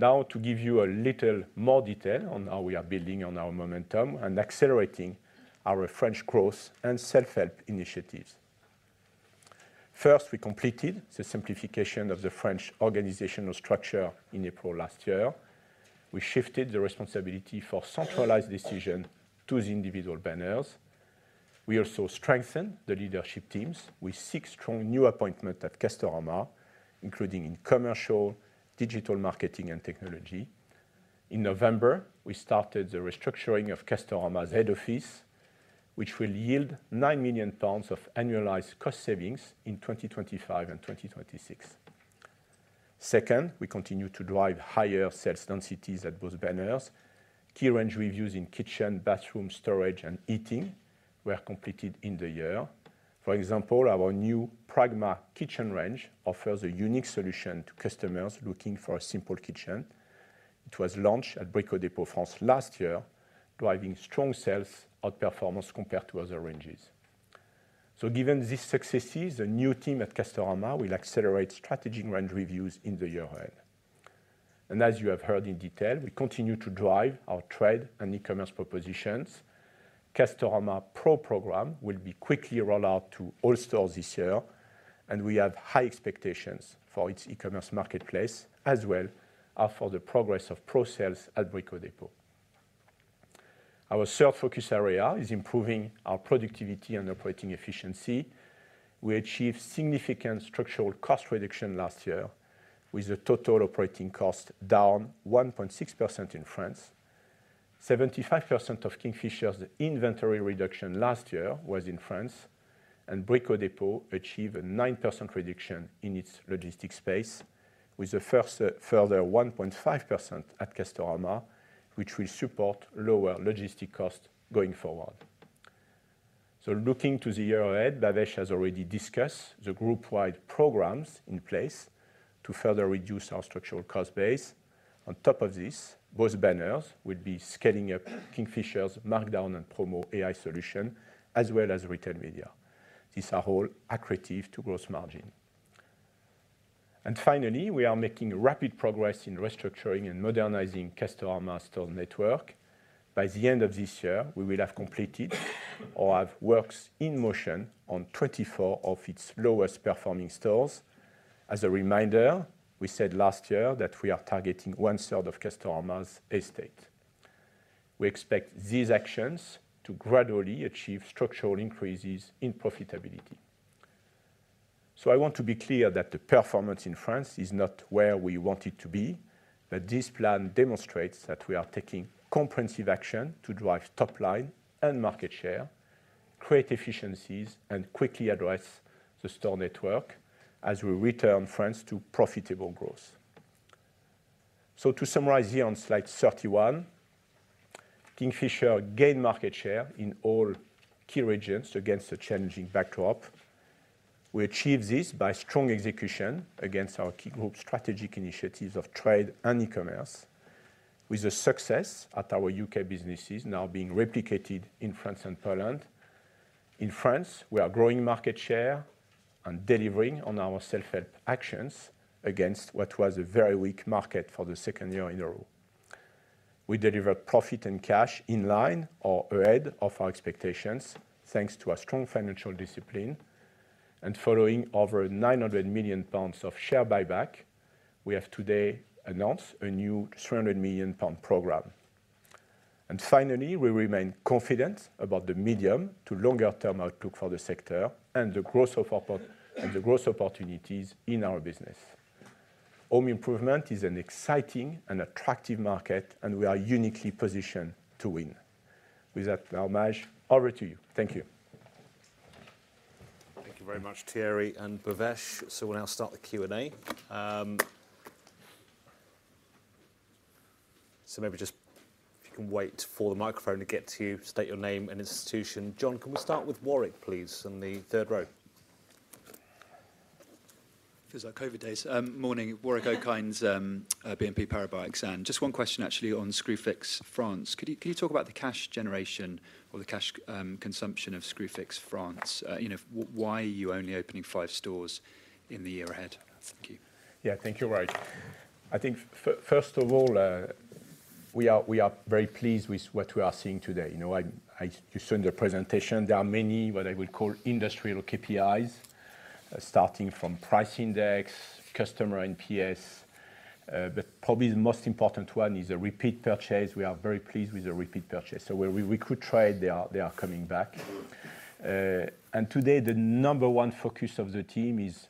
Now, to give you a little more detail on how we are building on our momentum and accelerating our French growth and self-help initiatives. First, we completed the simplification of the French organizational structure in April last year. We shifted the responsibility for centralized decision to the individual banners. We also strengthened the leadership teams with six strong new appointments at Castorama, including in commercial, digital marketing, and technology. In November, we started the restructuring of Castorama's head office, which will yield 9 million pounds of annualized cost savings in 2025 and 2026. Second, we continue to drive higher sales densities at both banners. Key range reviews in kitchen, bathroom, storage, and eating were completed in the year. For example, our new Pragma kitchen range offers a unique solution to customers looking for a simple kitchen. It was launched at Brico Dépôt France last year, driving strong sales outperformance compared to other ranges. Given this success, the new team at Castorama will accelerate strategic range reviews in the year ahead. As you have heard in detail, we continue to drive our trade and e-commerce propositions. Castorama Pro program will be quickly rolled out to all stores this year, and we have high expectations for its e-commerce marketplace as well as for the progress of Pro sales at Brico Dépôt. Our third focus area is improving our productivity and operating efficiency. We achieved significant structural cost reduction last year, with the total operating cost down 1.6% in France. 75% of Kingfisher's inventory reduction last year was in France, and Brico Dépôt achieved a 9% reduction in its logistics space, with the first further 1.5% at Castorama, which will support lower logistics costs going forward. Looking to the year ahead, Bhavesh has already discussed the group-wide programs in place to further reduce our structural cost base. On top of this, both banners will be scaling up Kingfisher's Markdown and Promo AI solution, as well as retail media. These are all accretive to gross margin. Finally, we are making rapid progress in restructuring and modernizing Castorama's stores network. By the end of this year, we will have completed or have works in motion on 24 of its lowest performing stores. As a reminder, we said last year that we are targeting one third of Castorama's estate. We expect these actions to gradually achieve structural increases in profitability. I want to be clear that the performance in France is not where we want it to be, but this plan demonstrates that we are taking comprehensive action to drive top line and market share, create efficiencies, and quickly address the store network as we return France to profitable growth. To summarize here on slide 31, Kingfisher gained market share in all key regions against a challenging backdrop. We achieved this by strong execution against our key group strategic initiatives of trade and e-commerce, with the success at our U.K. businesses now being replicated in France and Poland. In France, we are growing market share and delivering on our self-help actions against what was a very weak market for the second year in a row. We delivered profit and cash in line or ahead of our expectations, thanks to our strong financial discipline. Following over 900 million pounds of share buyback, we have today announced a new 300 million pound program. We remain confident about the medium to longer term outlook for the sector and the growth opportunities in our business. Home improvement is an exciting and attractive market, and we are uniquely positioned to win. With that, over to you. Thank you. Thank you very much, Thierry and Bhavesh. We'll now start the Q&A. Maybe just if you can wait for the microphone to get to you, state your name and institution. Can we start with Warwick, please, in the third row? It feels like COVID days. Morning, Warwick Okines, BNP Paribas. Just one question actually on Screwfix France. Could you talk about the cash generation or the cash consumption of Screwfix France? Why are you only opening five stores in the year ahead? Thank you. Yeah, thank you, Warwick. I think first of all, we are very pleased with what we are seeing today. You saw in the presentation, there are many what I would call industrial KPIs, starting from price index, customer NPS, but probably the most important one is the repeat purchase. We are very pleased with the repeat purchase. Where we recruit trade, they are coming back. Today, the number one focus of the team is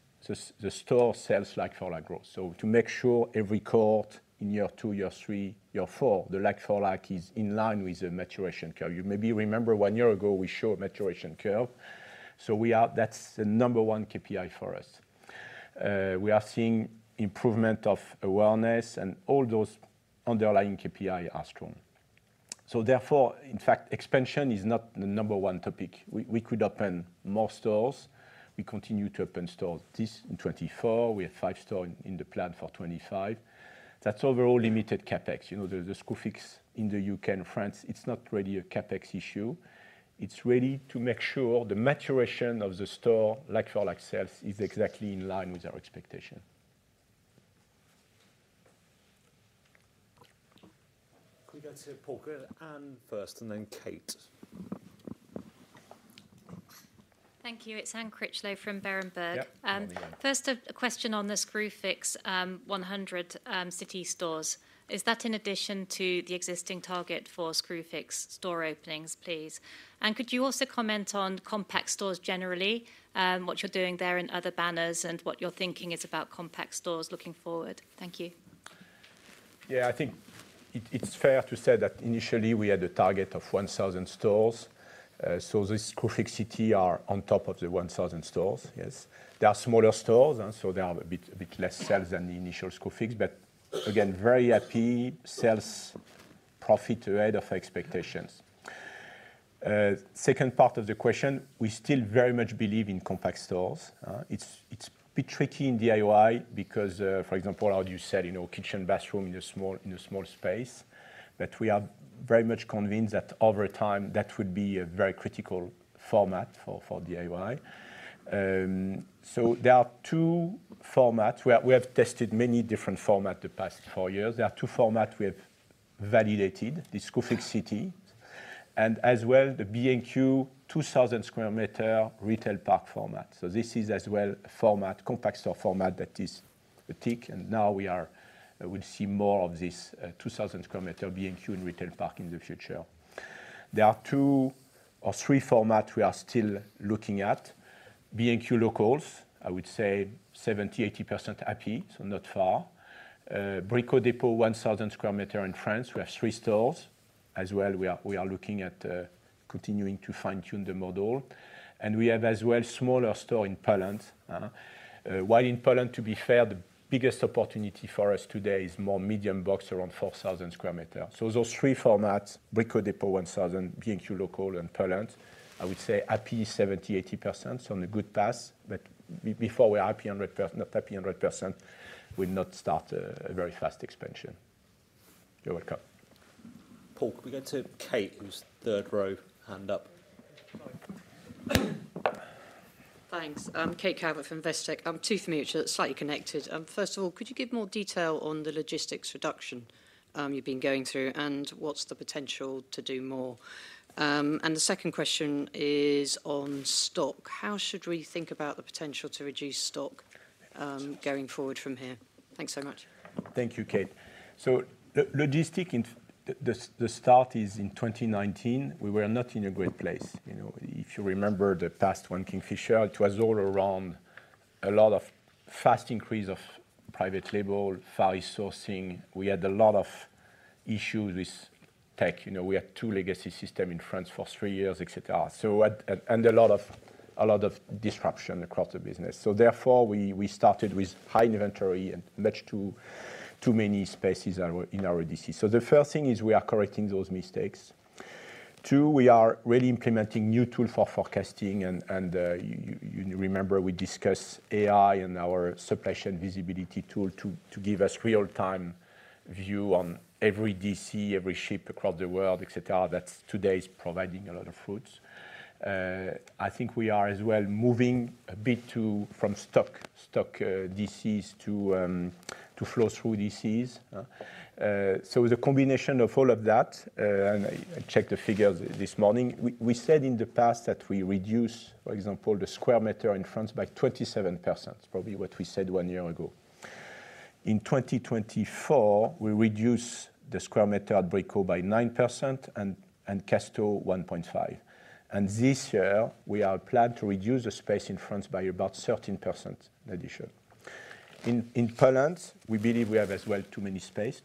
the store sales like-for-like growth. To make sure every cohort in year two, year three, year four, the like-for-like is in line with the maturation curve. You maybe remember one year ago we showed a maturation curve. That is the number one KPI for us. We are seeing improvement of awareness, and all those underlying KPIs are strong. Therefore, in fact, expansion is not the number one topic. We could open more stores. We continue to open stores this in 2024. We have five stores in the plan for 2025. That is overall limited CapEx. The Screwfix in the U.K. and France, it is not really a CapEx issue. It is really to make sure the maturation of the store like-for-like sales is exactly in line with our expectation. We are going to hear Anne first and then Kate. Thank you. It's Anne Critchlow from Berenberg. First, a question on the Screwfix 100 city stores. Is that in addition to the existing target for Screwfix store openings, please? Could you also comment on compact stores generally, what you're doing there in other banners and what your thinking is about compact stores looking forward? Thank you. Yeah, I think it's fair to say that initially we had a target of 1,000 stores. This Screwfix City are on top of the 1,000 stores, yes. They are smaller stores, so there are a bit less sales than the initial Screwfix, but again, very happy sales profit ahead of expectations. Second part of the question, we still very much believe in compact stores. It's a bit tricky in DIY because, for example, as you said, kitchen, bathroom in a small space, but we are very much convinced that over time that would be a very critical format for DIY. There are two formats. We have tested many different formats the past four years. There are two formats we have validated, the Screwfix City and as well the B&Q 2,000 sq m retail park format. This is as well a format, compact store format that is a tick. Now we will see more of this 2,000 sq m B&Q and retail park in the future. There are two or three formats we are still looking at. B&Q locals, I would say 70%-80% happy, so not far. Brico Dépôt 1,000 sq m in France, we have three stores. As well, we are looking at continuing to fine-tune the model. We have as well smaller store in Poland. While in Poland, to be fair, the biggest opportunity for us today is more medium box around 4,000 sq m. Those three formats, Brico Dépôt 1,000, B&Q local and Poland, I would say happy 70%-80%, so on the good path. Before we're happy 100%, not happy 100%, we'll not start a very fast expansion. You're welcome. Could we go to Kate who's third row hand up? Thanks. I'm Kate Calvert from Investec. I'm Tooth Mutual, slightly connected. First of all, could you give more detail on the logistics reduction you've been going through and what's the potential to do more? The second question is on stock. How should we think about the potential to reduce stock going forward from here? Thanks so much. Thank you, Kate. Logistic, the start is in 2019. We were not in a great place. If you remember the past one Kingfisher, it was all around a lot of fast increase of private label, Far East sourcing. We had a lot of issues with tech. We had two legacy systems in France for three years, etc. A lot of disruption across the business. Therefore, we started with high inventory and much too many spaces in our DC. The first thing is we are correcting those mistakes. Two, we are really implementing new tools for forecasting. You remember we discussed AI and our supply chain visibility tool to give us real-time view on every DC, every ship across the world, etc. That today is providing a lot of fruits. I think we are as well moving a bit from stock DCs to flow-through DCs. The combination of all of that, and I checked the figures this morning, we said in the past that we reduce, for example, the square meter in France by 27%, probably what we said one year ago. In 2024, we reduce the square meter at Brico Dépôt by 9% and Castorama 1.5%. This year, we have a plan to reduce the space in France by about 13% addition. In Poland, we believe we have as well too much space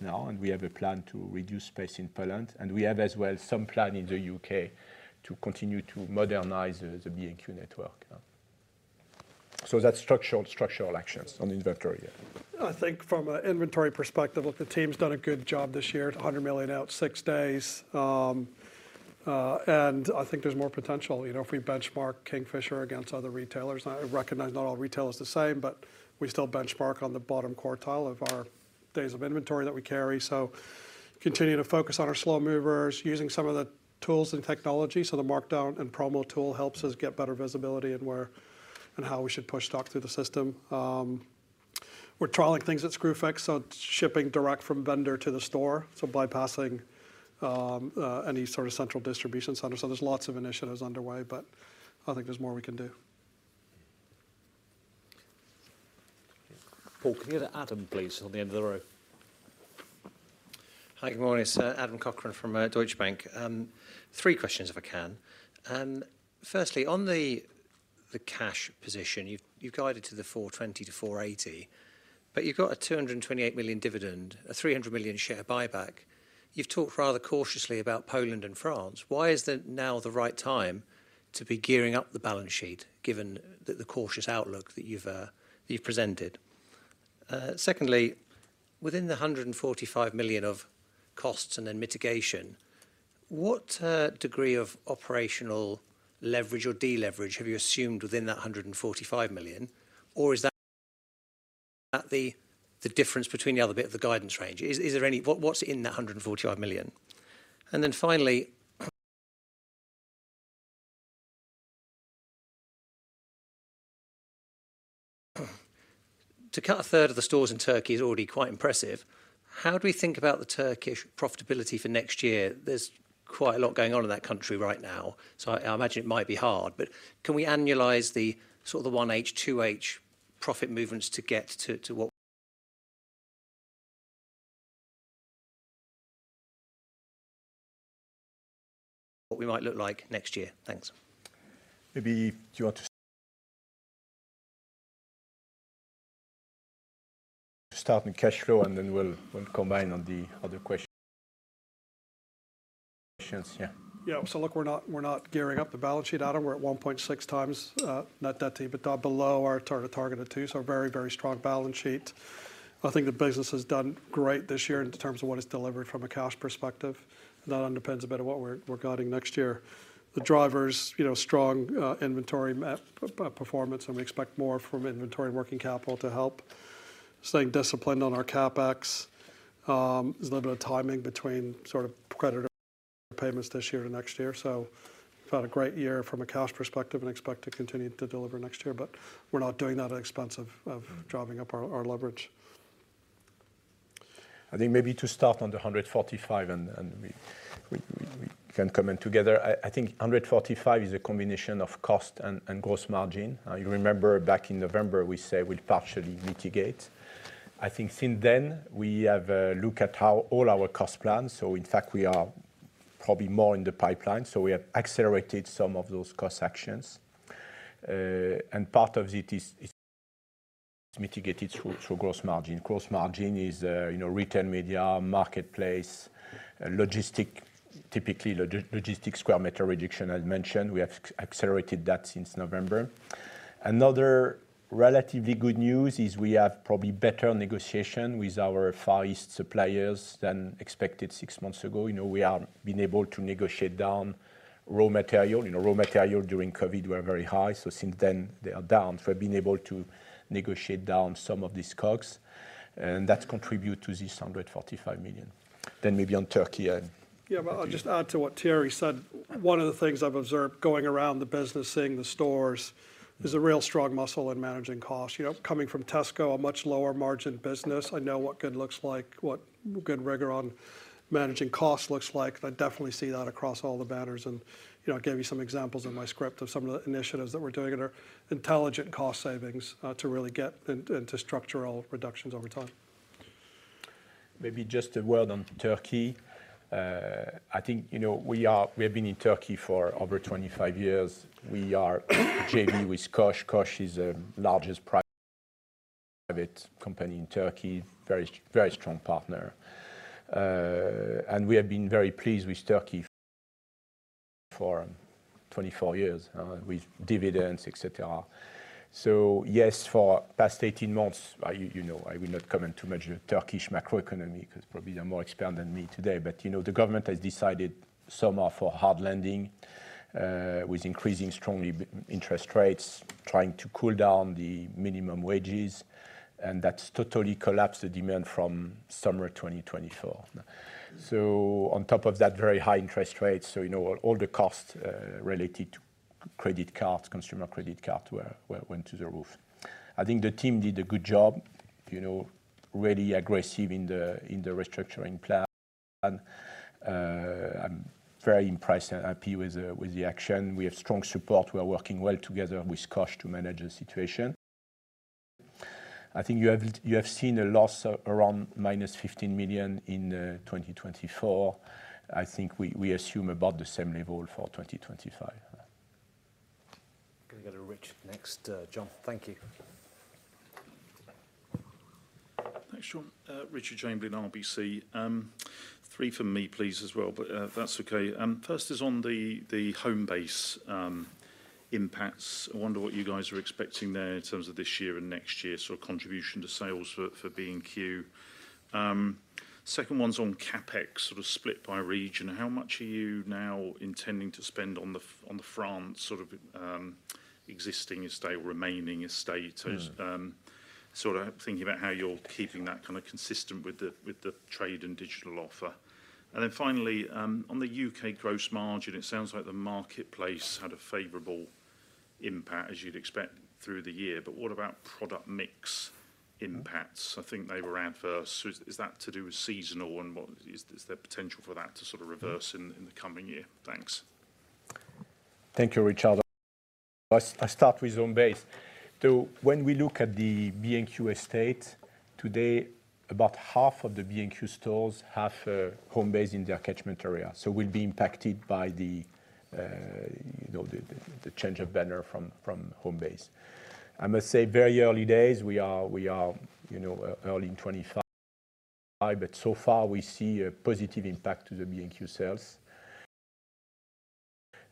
now, and we have a plan to reduce space in Poland. We have as well some plan in the U.K. to continue to modernize the B&Q network. That is structural actions on inventory. I think from an inventory perspective, look, the team's done a good job this year, 100 million out, six days. I think there's more potential if we benchmark Kingfisher against other retailers. I recognize not all retailers are the same, but we still benchmark on the bottom quartile of our days of inventory that we carry. We continue to focus on our slow movers, using some of the tools and technology. The Markdown and Promo tool helps us get better visibility in where and how we should push stock through the system. We are trialing things at Screwfix, shipping direct from vendor to the store, bypassing any sort of central distribution center. There are lots of initiatives underway, but I think there is more we can do. Can you hear Adam, please, on the end of the row? Hi, good morning. It is Adam Cochrane from Deutsche Bank. Three questions if I can. Firstly, on the cash position, you have guided to the 420 million-480 million, but you have got a 228 million dividend, a 300 million share buyback. You've talked rather cautiously about Poland and France. Why is now the right time to be gearing up the balance sheet given the cautious outlook that you've presented? Secondly, within the 145 million of costs and then mitigation, what degree of operational leverage or deleverage have you assumed within that 145 million? Or is that the difference between the other bit of the guidance range? What's in that 145 million? Finally, to cut a third of the stores in Turkey is already quite impressive. How do we think about the Turkish profitability for next year? There's quite a lot going on in that country right now. I imagine it might be hard. Can we annualize the sort of the 1H, 2H profit movements to get to what we might look like next year? Thanks. Maybe do you want to start with cash flow and then we'll combine on the other questions? Yeah. Yeah. Look, we're not gearing up the balance sheet. I don't worry at 1.6 times net netty, but below our target of 2. Very, very strong balance sheet. I think the business has done great this year in terms of what it's delivered from a cash perspective. That underpins a bit of what we're guiding next year. The drivers, strong inventory performance, and we expect more from inventory and working capital to help. Staying disciplined on our CapEx is a little bit of timing between sort of creditor payments this year to next year. We've had a great year from a cash perspective and expect to continue to deliver next year. We're not doing that at expense of driving up our leverage. I think maybe to start on the 145 and we can come in together. I think 145 is a combination of cost and gross margin. You remember back in November, we said we'd partially mitigate. I think since then, we have looked at how all our cost plans. In fact, we are probably more in the pipeline. We have accelerated some of those cost actions. Part of it is mitigated through gross margin. Gross margin is retail media, marketplace, logistic, typically logistic sq m reduction I mentioned. We have accelerated that since November. Another relatively good news is we have probably better negotiation with our Far East suppliers than expected six months ago. We have been able to negotiate down raw material. Raw material during COVID were very high. Since then, they are down. We have been able to negotiate down some of these COGS. That has contributed to this 145 million. Maybe on Turkey. I'll just add to what Thierry said. One of the things I've observed going around the business, seeing the stores, there is a real strong muscle in managing costs. Coming from Tesco, a much lower margin business, I know what good looks like, what good rigor on managing costs looks like. I definitely see that across all the banners. I gave you some examples in my script of some of the initiatives that we are doing that are intelligent cost savings to really get into structural reductions over time. Maybe just a word on Turkey. I think we have been in Turkey for over 25 years. We are JV with Koç. Koç is the largest private company in Turkey, very strong partner. We have been very pleased with Turkey for 24 years with dividends, etc. Yes, for the past 18 months, I will not comment too much on the Turkish macroeconomy because probably they are more experienced than me today. The government has decided this summer for a hard landing with strongly increasing interest rates, trying to cool down the minimum wages. That has totally collapsed the demand from summer 2024. On top of that, very high interest rates. All the costs related to credit cards, consumer credit cards went through the roof. I think the team did a good job, really aggressive in the restructuring plan. I'm very impressed and happy with the action. We have strong support. We are working well together with Koçtaş to manage the situation. I think you have seen a loss around minus 15 million in 2024. I think we assume about the same level for 2025. We are going to get a Rich next. Thank you. Thanks. Richard Jamie in RBC. Three from me, please, as well, if that's okay. First is on the Homebase impacts. I wonder what you guys are expecting there in terms of this year and next year, sort of contribution to sales for B&Q. Second one's on CapEx, sort of split by region. How much are you now intending to spend on the France sort of existing estate, remaining estate? Sort of thinking about how you're keeping that kind of consistent with the trade and digital offer. Finally, on the U.K. gross margin, it sounds like the marketplace had a favorable impact as you'd expect through the year. What about product mix impacts? I think they were adverse. Is that to do with seasonal and is there potential for that to sort of reverse in the coming year? Thanks. Thank you, Richard. I'll start with Homebase. When we look at the B&Q estate today, about half of the B&Q stores have Homebase in their catchment area. We will be impacted by the change of banner from Homebase. I must say very early days, we are early in 2025, but so far we see a positive impact to the B&Q sales.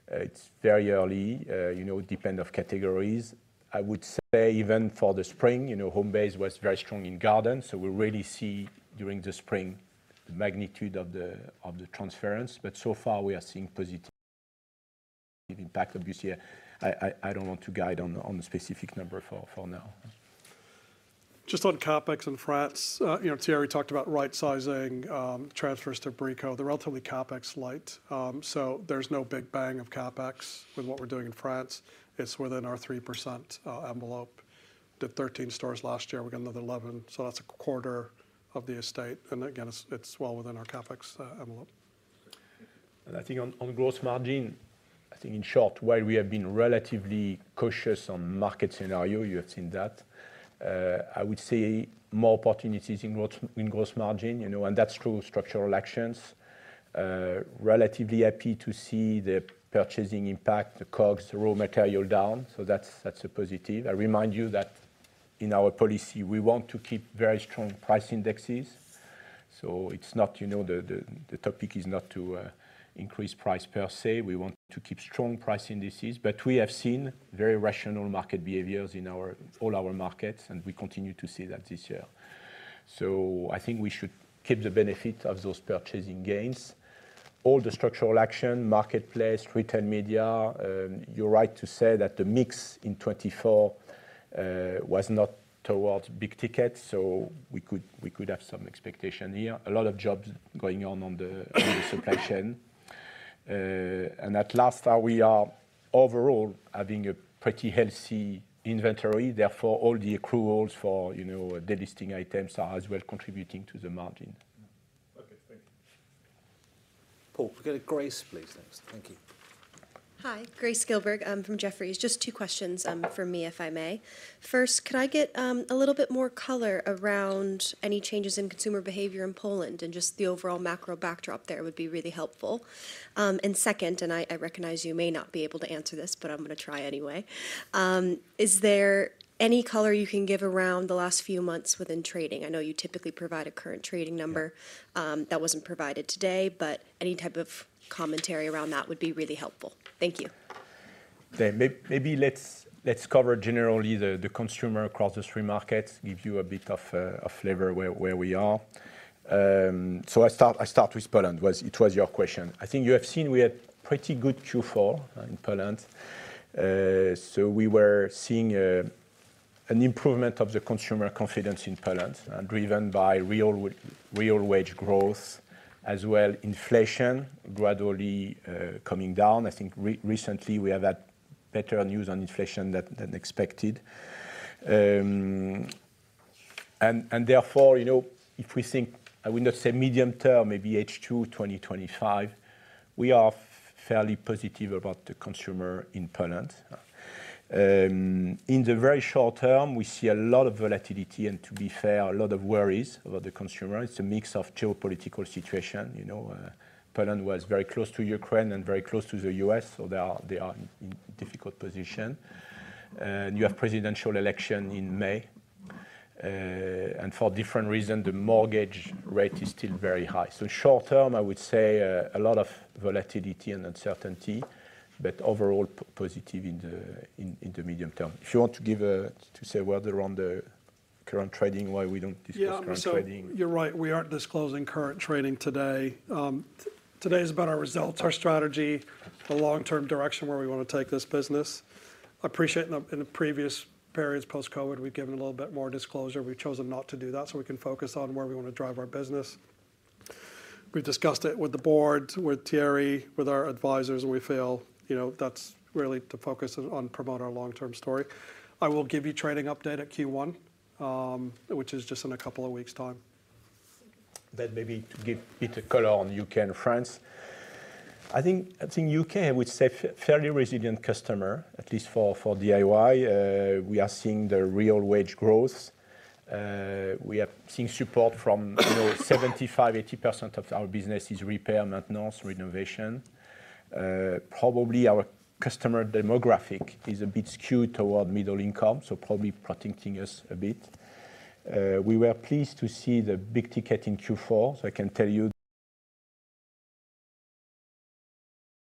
It is very early. It depends on categories. I would say even for the spring, Homebase was very strong in garden. We really see during the spring the magnitude of the transference. So far, we are seeing positive impact. Obviously, I do not want to guide on a specific number for now. Just on CapEx in France, Thierry talked about right-sizing transfers to Brico Dépôt. They are relatively CapEx light. There is no big bang of CapEx with what we are doing in France. It is within our 3% envelope. Did 13 stores last year. We got another 11. That is a quarter of the estate. Again, it is well within our CapEx envelope. I think on gross margin, in short, while we have been relatively cautious on market scenario, you have seen that. I would say more opportunities in gross margin. That is true of structural actions. Relatively happy to see the purchasing impact, the COGS, the raw material down. That is a positive. I remind you that in our policy, we want to keep very strong price indexes. The topic is not to increase price per se. We want to keep strong price indices. We have seen very rational market behaviors in all our markets. We continue to see that this year. I think we should keep the benefit of those purchasing gains. All the structural action, marketplace, retail media, you're right to say that the mix in 2024 was not towards big tickets. We could have some expectation here. A lot of jobs going on in the supply chain. At last, we are overall having a pretty healthy inventory. Therefore, all the accruals for the listing items are as well contributing to the margin. Okay. Thank you. We're going to Grace, please. Thank you. Hi, Grace Gilberg from Jefferies. Just two questions for me, if I may. First, could I get a little bit more color around any changes in consumer behavior in Poland? Just the overall macro backdrop there would be really helpful. Second, and I recognize you may not be able to answer this, but I'm going to try anyway. Is there any color you can give around the last few months within trading? I know you typically provide a current trading number that was not provided today, but any type of commentary around that would be really helpful. Thank you. Maybe let's cover generally the consumer across the three markets, give you a bit of flavor where we are. I start with Poland. It was your question. I think you have seen we had pretty good Q4 in Poland. We were seeing an improvement of the consumer confidence in Poland, driven by real wage growth, as well as inflation gradually coming down. I think recently we have had better news on inflation than expected. Therefore, if we think, I would not say medium term, maybe H2, 2025, we are fairly positive about the consumer in Poland. In the very short term, we see a lot of volatility and, to be fair, a lot of worries about the consumer. It's a mix of geopolitical situation. Poland was very close to Ukraine and very close to the U.S. They are in a difficult position. You have presidential election in May. For different reasons, the mortgage rate is still very high. Short term, I would say a lot of volatility and uncertainty, but overall positive in the medium term. If you want to say words around the current trading, why we don't discuss current trading. You're right. We aren't disclosing current trading today. Today is about our results, our strategy, the long-term direction where we want to take this business. I appreciate in the previous periods post-COVID, we've given a little bit more disclosure. We've chosen not to do that so we can focus on where we want to drive our business. We've discussed it with the board, with Thierry, with our advisors. We feel that's really to focus on promoting our long-term story. I will give you trading update at Q1, which is just in a couple of weeks' time. Maybe to give a bit of color on U.K. and France. I think U.K., I would say, fairly resilient customer, at least for DIY. We are seeing the real wage growth. We have seen support from 75%-80% of our business is repair, maintenance, renovation. Probably our customer demographic is a bit skewed toward middle income, so probably protecting us a bit. We were pleased to see the big ticket in Q4. I can tell you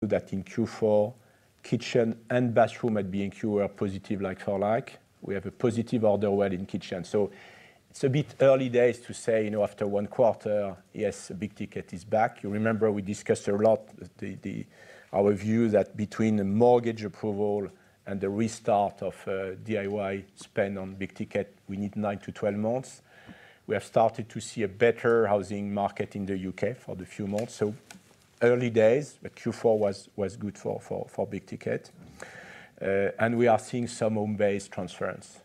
that in Q4, kitchen and bathroom at B&Q were positive like for like. We have a positive order well in kitchen. It's a bit early days to say after one quarter, yes, a big ticket is back. You remember we discussed a lot our view that between the mortgage approval and the restart of DIY spend on big ticket, we need nine to twelve months. We have started to see a better housing market in the U.K. for the few months. Early days, but Q4 was good for big ticket. We are seeing some Homebase transference.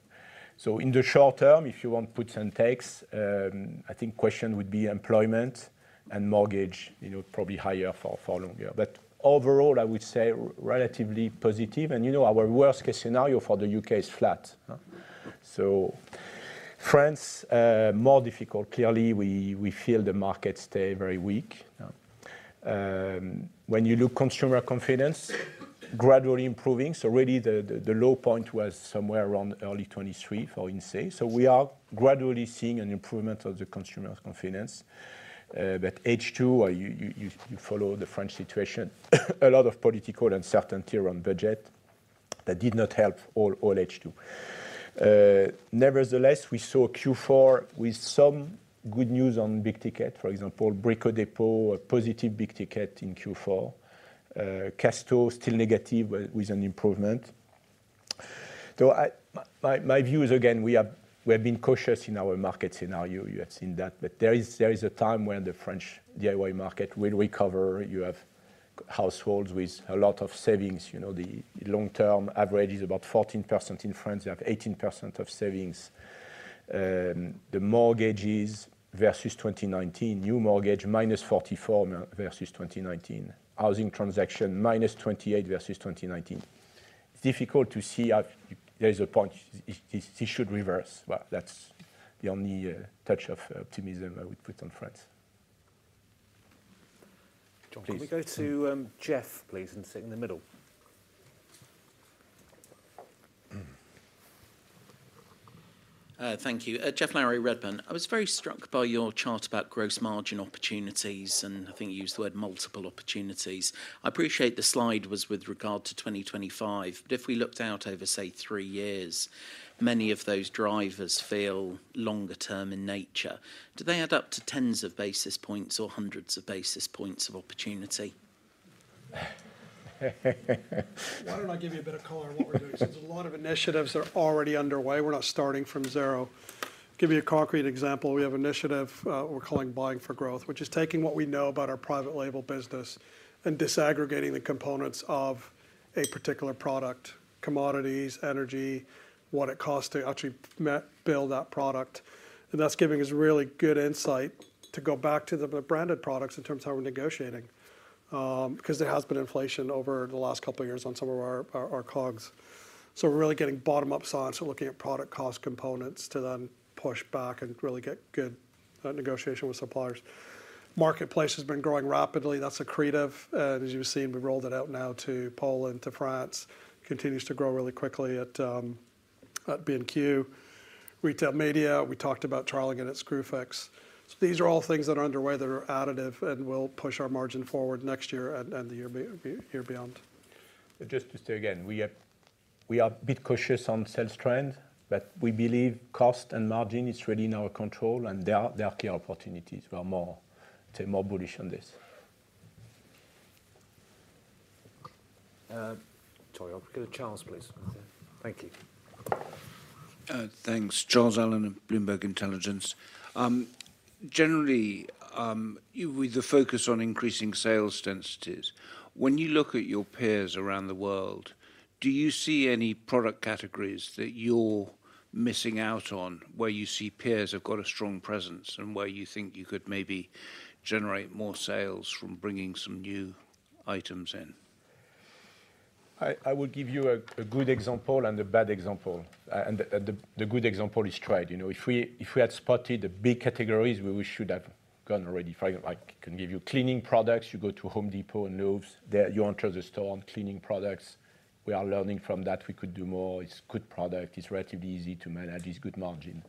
In the short term, if you want puts and takes, I think question would be employment and mortgage probably higher for longer. Overall, I would say relatively positive. Our worst-case scenario for the U.K. is flat. France, more difficult. Clearly, we feel the market stay very weak. When you look at consumer confidence, gradually improving. The low point was somewhere around early 2023 for in-say. We are gradually seeing an improvement of the consumer confidence. H2, you follow the French situation, a lot of political uncertainty around budget that did not help all H2. Nevertheless, we saw Q4 with some good news on big ticket. For example, Brico Dépôt, a positive big ticket in Q4. Castorama still negative with an improvement. My view is, again, we have been cautious in our market scenario. You have seen that. There is a time when the French DIY market will recover. You have households with a lot of savings. The long-term average is about 14% in France. They have 18% of savings. The mortgages versus 2019, new mortgage minus 44 versus 2019. Housing transaction minus 28 versus 2019. It's difficult to see. There is a point it should reverse. That's the only touch of optimism I would put on France. Can we go to Jeff, please, and sit in the middle? Thank you. I was very struck by your chart about gross margin opportunities. I think you used the word multiple opportunities. I appreciate the slide was with regard to 2025. If we looked out over, say, three years, many of those drivers feel longer-term in nature. Do they add up to tens of basis points or hundreds of basis points of opportunity? Why don't I give you a bit of color on what we're doing? There are a lot of initiatives that are already underway. We're not starting from zero. Give you a concrete example. We have an initiative we're calling Buying for Growth, which is taking what we know about our private label business and disaggregating the components of a particular product, commodities, energy, what it costs to actually build that product. That is giving us really good insight to go back to the branded products in terms of how we are negotiating because there has been inflation over the last couple of years on some of our COGS. We are really getting bottom-up science and looking at product cost components to then push back and really get good negotiation with suppliers. Marketplace has been growing rapidly. That is accretive. As you have seen, we have rolled it out now to Poland, to France. It continues to grow really quickly at B&Q. Retail media, we talked about trialing it at Screwfix. These are all things that are underway that are additive and will push our margin forward next year and the year beyond. Just to say again, we are a bit cautious on sales trend, but we believe cost and margin is really in our control. There are key opportunities. We are more bullish on this. Sorry, I'll get a Charles, please. Thank you. Thanks. Charles Allen of Bloomberg Intelligence. Generally, with the focus on increasing sales densities, when you look at your peers around the world, do you see any product categories that you're missing out on where you see peers have got a strong presence and where you think you could maybe generate more sales from bringing some new items in? I will give you a good example and a bad example. The good example is trade. If we had spotted the big categories, we should have gone already. For example, I can give you cleaning products. You go to Home Depot and Lowe's. You enter the store on cleaning products. We are learning from that. We could do more. It's a good product. It's relatively easy to manage. It's good margin.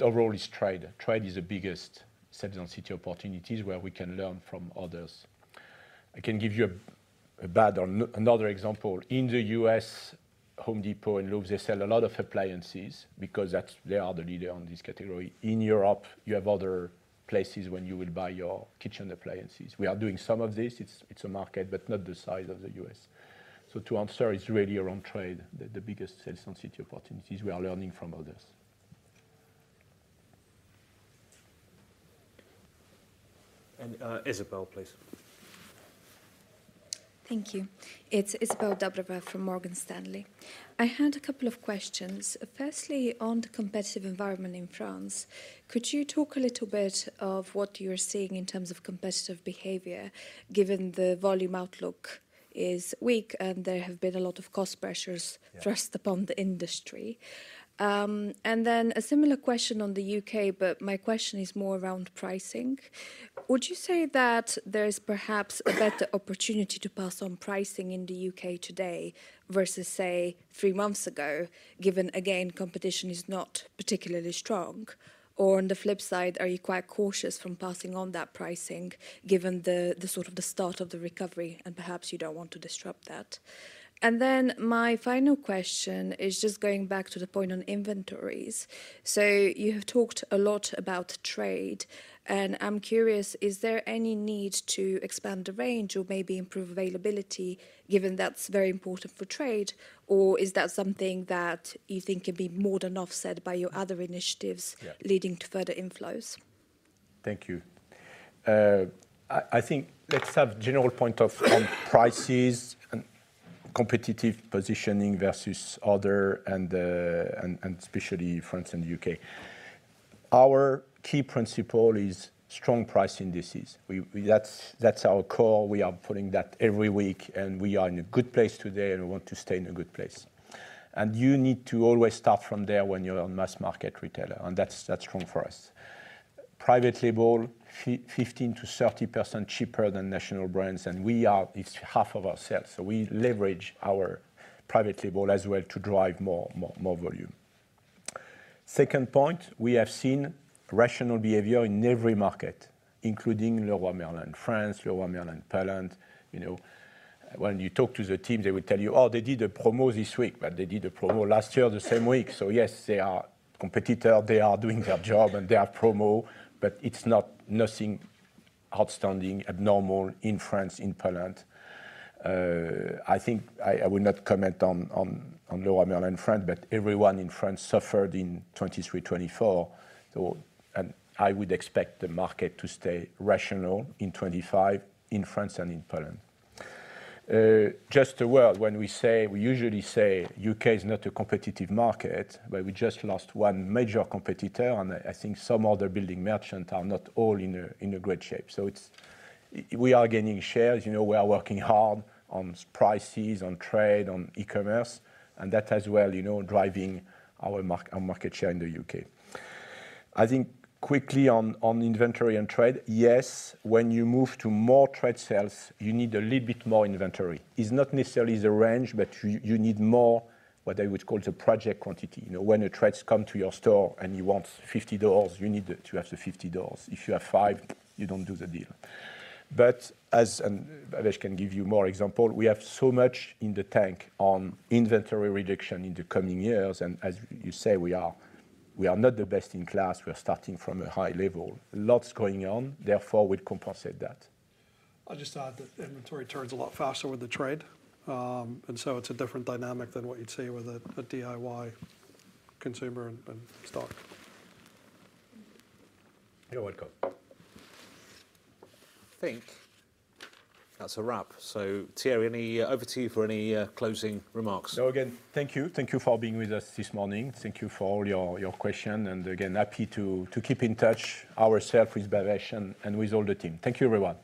Overall, it's trade. Trade is the biggest subsistence opportunities where we can learn from others. I can give you another example. In the U.S., Home Depot and Lowe's, they sell a lot of appliances because they are the leader in this category. In Europe, you have other places where you will buy your kitchen appliances. We are doing some of this. It's a market, but not the size of the U.S. To answer, it's really around trade, the biggest subsistence opportunities. We are learning from others. Izabel, please. Thank you. It's Izabel Dobreva from Morgan Stanley. I had a couple of questions. Firstly, on the competitive environment in France, could you talk a little bit of what you're seeing in terms of competitive behavior, given the volume outlook is weak and there have been a lot of cost pressures thrust upon the industry? A similar question on the U.K., but my question is more around pricing. Would you say that there is perhaps a better opportunity to pass on pricing in the U.K. today versus, say, three months ago, given, again, competition is not particularly strong? On the flip side, are you quite cautious from passing on that pricing, given the sort of start of the recovery? Perhaps you do not want to disrupt that. My final question is just going back to the point on inventories. You have talked a lot about trade. I am curious, is there any need to expand the range or maybe improve availability, given that is very important for trade? Or is that something that you think can be more than offset by your other initiatives leading to further inflows? Thank you. I think let's have a general point on prices and competitive positioning versus other, and especially France and the U.K. Our key principle is strong price indices. That's our core. We are putting that every week. We are in a good place today. We want to stay in a good place. You need to always start from there when you're a mass market retailer. That's strong for us. Private label, 15%-30% cheaper than national brands. We are half of ourselves. We leverage our private label as well to drive more volume. Second point, we have seen rational behavior in every market, including Leroy Merlin, France, Leroy Merlin, Poland. When you talk to the team, they will tell you, "Oh, they did a promo this week." They did a promo last year the same week. Yes, they are competitors. They are doing their job. They have promo. It is not anything outstanding, abnormal in France, in Poland. I think I will not comment on Leroy Merlin, France, but everyone in France suffered in 2023, 2024. I would expect the market to stay rational in 2025 in France and in Poland. Just a word, when we say we usually say the U.K. is not a competitive market, but we just lost one major competitor. I think some other building merchants are not all in great shape. We are gaining shares. We are working hard on prices, on trade, on e-commerce. That has been driving our market share in the U.K. I think quickly on inventory and trade, yes, when you move to more trade sales, you need a little bit more inventory. It's not necessarily the range, but you need more what I would call the project quantity. When the trades come to your store and you want $50, you need to have the $50. If you have five, you don't do the deal. As I can give you more example, we have so much in the tank on inventory reduction in the coming years. As you say, we are not the best in class. We are starting from a high level. Lots going on. Therefore, we'll compensate that. I'll just add that inventory turns a lot faster with the trade. It is a different dynamic than what you'd see with a DIY consumer and stock. Thank you. Thank you. That's a wrap. Thierry, over to you for any closing remarks. No, again, thank you. Thank you for being with us this morning. Thank you for all your questions. Again, happy to keep in touch ourselves with Bhavesh and with all the team. Thank you, everyone.